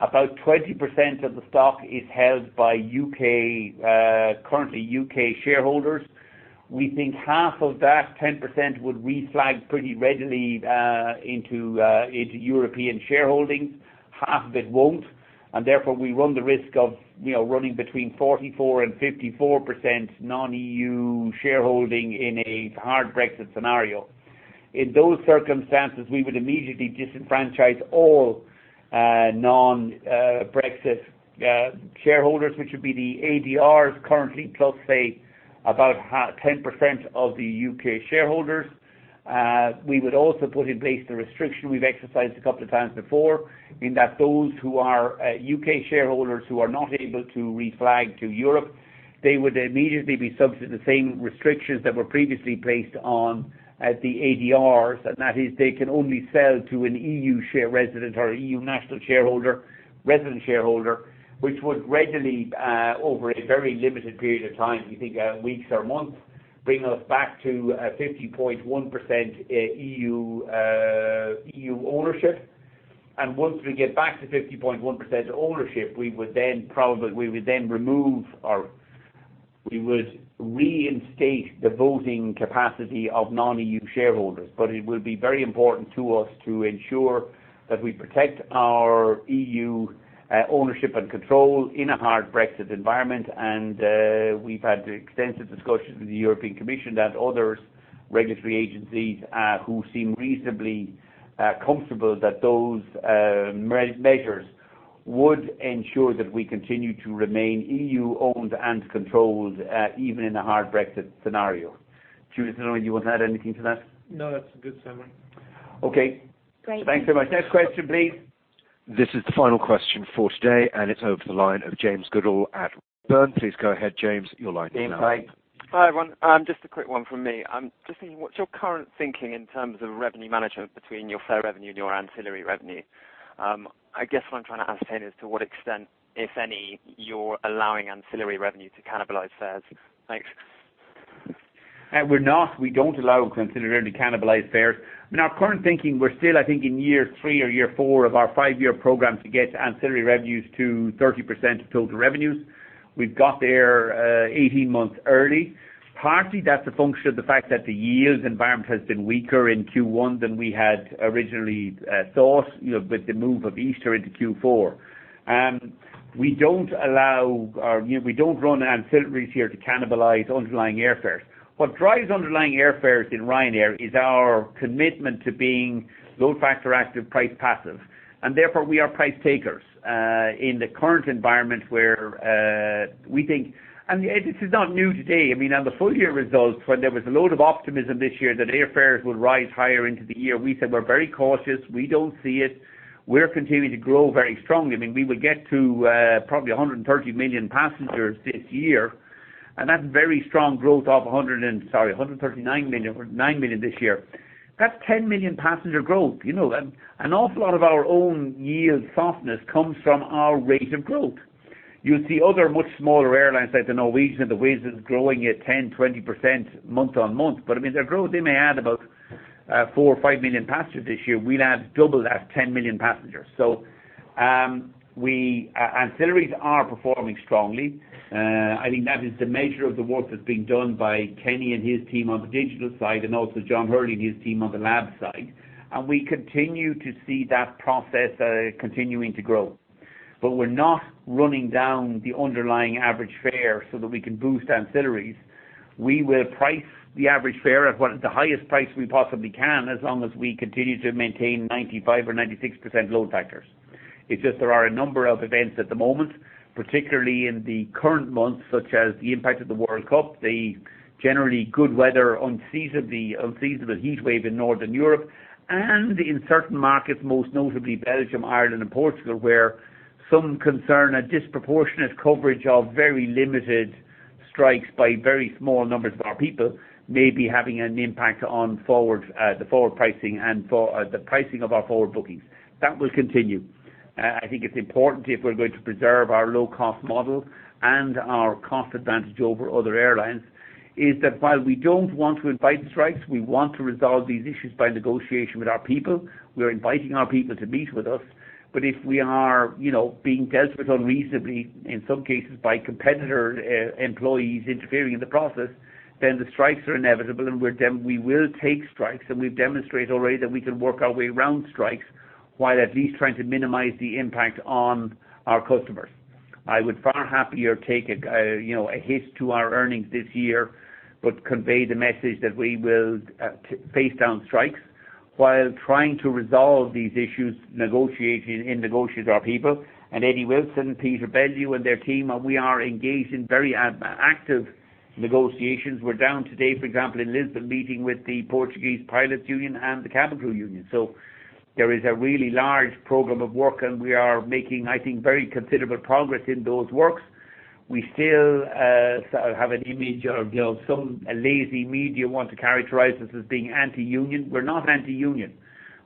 About 20% of the stock is held by currently U.K. shareholders. We think half of that 10% would reflag pretty readily into European shareholdings. Half of it won't, we run the risk of running between 44%-54% non-EU shareholding in a hard Brexit scenario. In those circumstances, we would immediately disenfranchise all non-Brexit shareholders, which would be the ADRs currently, plus, say, about 10% of the U.K. shareholders. We would also put in place the restriction we've exercised a couple of times before, in that those who are U.K. shareholders who are not able to reflag to Europe, they would immediately be subject to the same restrictions that were previously placed on the ADRs, and that is they can only sell to an EU share resident or EU national shareholder, resident shareholder, which would readily, over a very limited period of time, we think weeks or months, bring us back to 50.1% EU ownership. Once we get back to 50.1% ownership, we would then remove or we would reinstate the voting capacity of non-EU shareholders. It will be very important to us to ensure that we protect our EU ownership and control in a hard Brexit environment. We've had extensive discussions with the European Commission and others Regulatory agencies who seem reasonably comfortable that those measures would ensure that we continue to remain EU-owned and controlled, even in a hard Brexit scenario. Justin, you want to add anything to that? No, that's a good summary. Okay. Great. Thanks very much. Next question, please. This is the final question for today. It's over to the line of James Goodall at Berenberg. Please go ahead, James. Your line is now open. James, hi. Hi, everyone. Just a quick one from me. I'm just thinking, what's your current thinking in terms of revenue management between your fare revenue and your ancillary revenue? I guess what I'm trying to ascertain is to what extent, if any, you're allowing ancillary revenue to cannibalize fares. Thanks. We're not. We don't allow ancillary to cannibalize fares. In our current thinking, we're still, I think, in year three or year four of our five-year program to get ancillary revenues to 30% of total revenues. We've got there 18 months early. Partly, that's a function of the fact that the yields environment has been weaker in Q1 than we had originally thought with the move of Easter into Q4. We don't run ancillaries here to cannibalize underlying airfares. What drives underlying airfares in Ryanair is our commitment to being load factor active, price passive, and therefore, we are price takers in the current environment. This is not new today. On the full-year results, when there was a load of optimism this year that airfares would rise higher into the year, we said we're very cautious. We don't see it. We're continuing to grow very strongly. We will get to probably 139 million passengers this year. That's very strong growth off 139 million this year. That's 10 million passenger growth. An awful lot of our own yield softness comes from our rate of growth. You'll see other much smaller airlines like the Norwegian and the Wizzs growing at 10%, 20% month on month. Their growth, they may add about four or five million passengers this year. We'll add double that, 10 million passengers. Ancillaries are performing strongly. I think that is the measure of the work that's being done by Kenny and his team on the digital side, and also John Hurley and his team on the Labs side. We continue to see that process continuing to grow. We're not running down the underlying average fare so that we can boost ancillaries. We will price the average fare at the highest price we possibly can, as long as we continue to maintain 95% or 96% load factors. It's just there are a number of events at the moment, particularly in the current months, such as the impact of the World Cup, the generally good weather, unseasonable heat wave in Northern Europe, and in certain markets, most notably Belgium, Ireland, and Portugal, where some concern a disproportionate coverage of very limited strikes by very small numbers of our people may be having an impact on the forward pricing and the pricing of our forward bookings. That will continue. I think it's important if we're going to preserve our low-cost model and our cost advantage over other airlines, is that while we don't want to invite strikes, we want to resolve these issues by negotiation with our people. We're inviting our people to meet with us. If we are being dealt with unreasonably, in some cases by competitor employees interfering in the process, the strikes are inevitable, we will take strikes, and we've demonstrated already that we can work our way around strikes while at least trying to minimize the impact on our customers. I would far happier take a hit to our earnings this year, convey the message that we will face down strikes while trying to resolve these issues and negotiate with our people. Eddie Wilson, Peter Bellew, and their team, and we are engaged in very active negotiations. We're down today, for example, in Lisbon, meeting with the Portuguese Pilots' Union and the Cabin Crew Union. There is a really large program of work, and we are making, I think, very considerable progress in those works. We still have an image of some lazy media want to characterize us as being anti-union. We're not anti-union.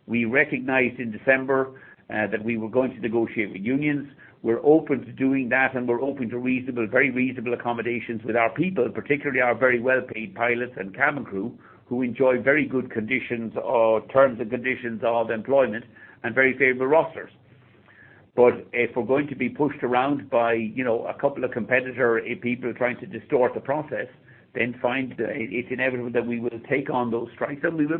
We recognized in December that we were going to negotiate with unions. We're open to doing that, we're open to very reasonable accommodations with our people, particularly our very well-paid pilots and cabin crew, who enjoy very good terms and conditions of employment and very favorable rosters. If we're going to be pushed around by a couple of competitor people trying to distort the process, fine. It's inevitable that we will take on those strikes, we will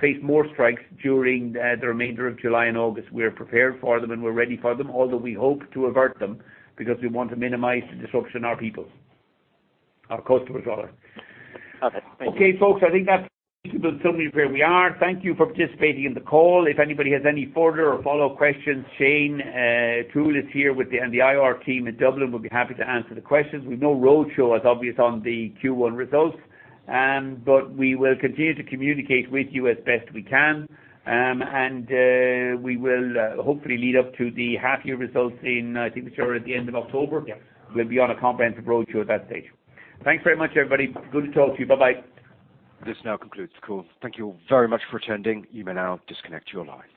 face more strikes during the remainder of July and August. We're prepared for them, we're ready for them, although we hope to avert them because we want to minimize the disruption our customers are on. Okay. Thank you. Okay, folks, I think that's reasonable summary of where we are. Thank you for participating in the call. If anybody has any further or follow-up questions, Shane O'Toole is here with the IR team in Dublin, would be happy to answer the questions. We've no road show, as obvious, on the Q1 results. We will continue to communicate with you as best we can. We will hopefully lead up to the half-year results in, I think we show at the end of October. Yes. We'll be on a comprehensive road show at that stage. Thanks very much, everybody. Good to talk to you. Bye-bye. This now concludes the call. Thank you very much for attending. You may now disconnect your lines.